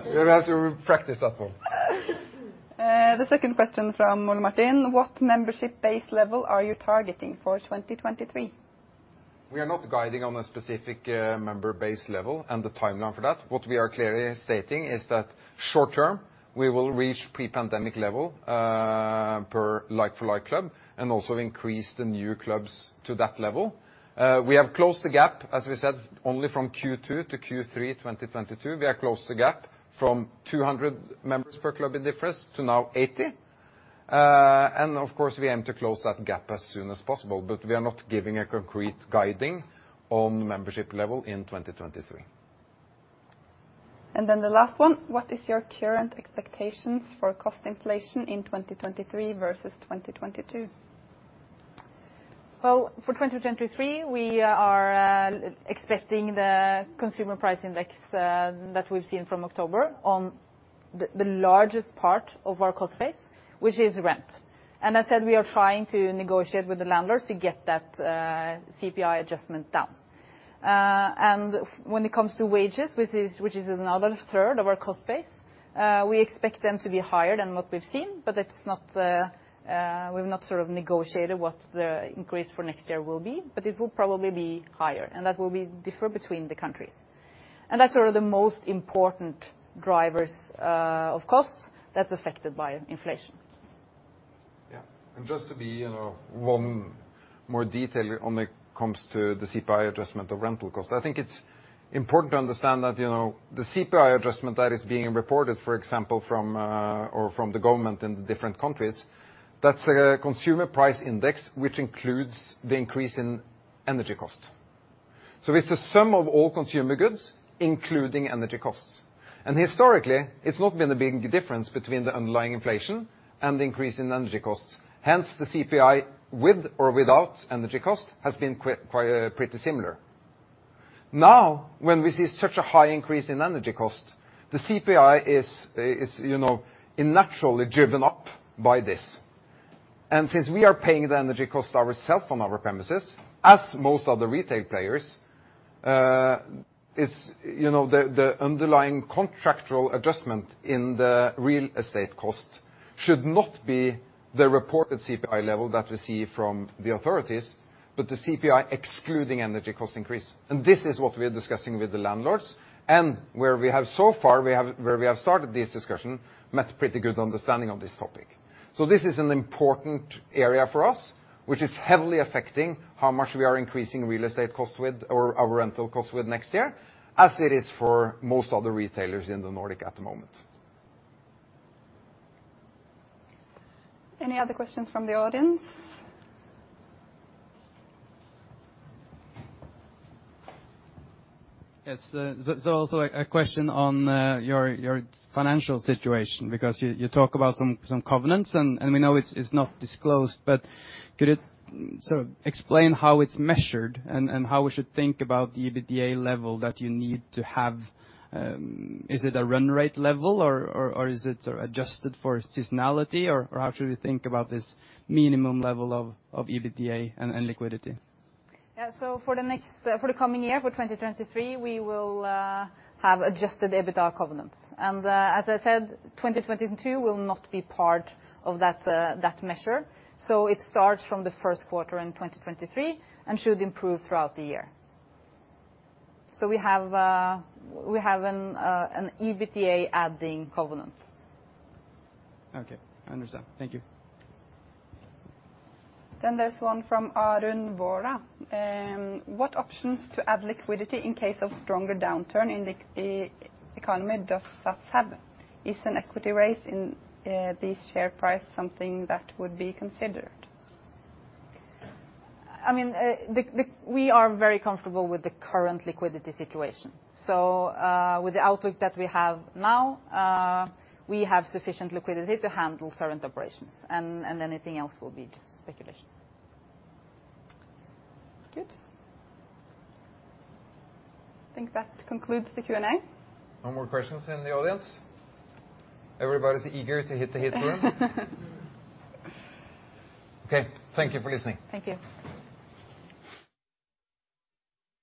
We have to practice that one. The second question from Ole Martin, "What membership base level are you targeting for 2023? We are not guiding on a specific member base level and the timeline for that. What we are clearly stating is that short-term, we will reach pre-pandemic level per like-for-like club and also increase the new clubs to that level. We have closed the gap, as we said, only from Q2 to Q3 2022. We have closed the gap from 200 members per club in difference to now 80. Of course we aim to close that gap as soon as possible, but we are not giving a concrete guiding on membership level in 2023. Then the last one, "What is your current expectations for cost inflation in 2023 versus 2022?" Well, for 2023, we are expecting the consumer price index that we've seen from October on the largest part of our cost base, which is rent. As said, we are trying to negotiate with the landlords to get that CPI adjustment down. When it comes to wages, which is another third of our cost base, we expect them to be higher than what we've seen, but it's not. We've not sort of negotiated what the increase for next year will be, but it will probably be higher, and that will differ between the countries. That's sort of the most important drivers of costs that's affected by inflation. Yeah. Just to be, you know, one more detail when it comes to the CPI adjustment of rental cost. I think it's important to understand that, you know, the CPI adjustment that is being reported, for example, from or from the government in different countries, that's a consumer price index which includes the increase in energy cost. So it's the sum of all consumer goods, including energy costs. Historically, it's not been a big difference between the underlying inflation and the increase in energy costs. Hence, the CPI with or without energy cost has been quite pretty similar. Now, when we see such a high increase in energy cost, the CPI is, you know, unnaturally driven up by this. Since we are paying the energy cost ourselves on our premises, as most other retail players, it's, you know, the underlying contractual adjustment in the real estate cost should not be the reported CPI level that we see from the authorities, but the CPI excluding energy cost increase. Where we have started this discussion, we have met pretty good understanding on this topic. This is an important area for us, which is heavily affecting how much we are increasing real estate cost with or our rental cost with next year, as it is for most other retailers in the Nordic at the moment. Any other questions from the audience? Yes. Also a question on your financial situation because you talk about some covenants and we know it's not disclosed. Explain how it's measured and how we should think about the EBITDA level that you need to have. Is it a run rate level or is it sort of adjusted for seasonality or how should we think about this minimum level of EBITDA and liquidity? Yeah. For the coming year, for 2023, we will have adjusted EBITDA covenants. As I said, 2022 will not be part of that measure. It starts from the first quarter in 2023 and should improve throughout the year. We have an EBITDA adding covenant. Okay. I understand. Thank you. There's one from Arun Vora. "What options to add liquidity in case of stronger downturn in the economy does SATS have? Is an equity raise in the share price something that would be considered?" I mean, we are very comfortable with the current liquidity situation. With the outlook that we have now, we have sufficient liquidity to handle current operations and anything else will be just speculation. Good. I think that concludes the Q&A. No more questions in the audience? Everybody's eager to hit the heat room. Okay, thank you for listening. Thank you.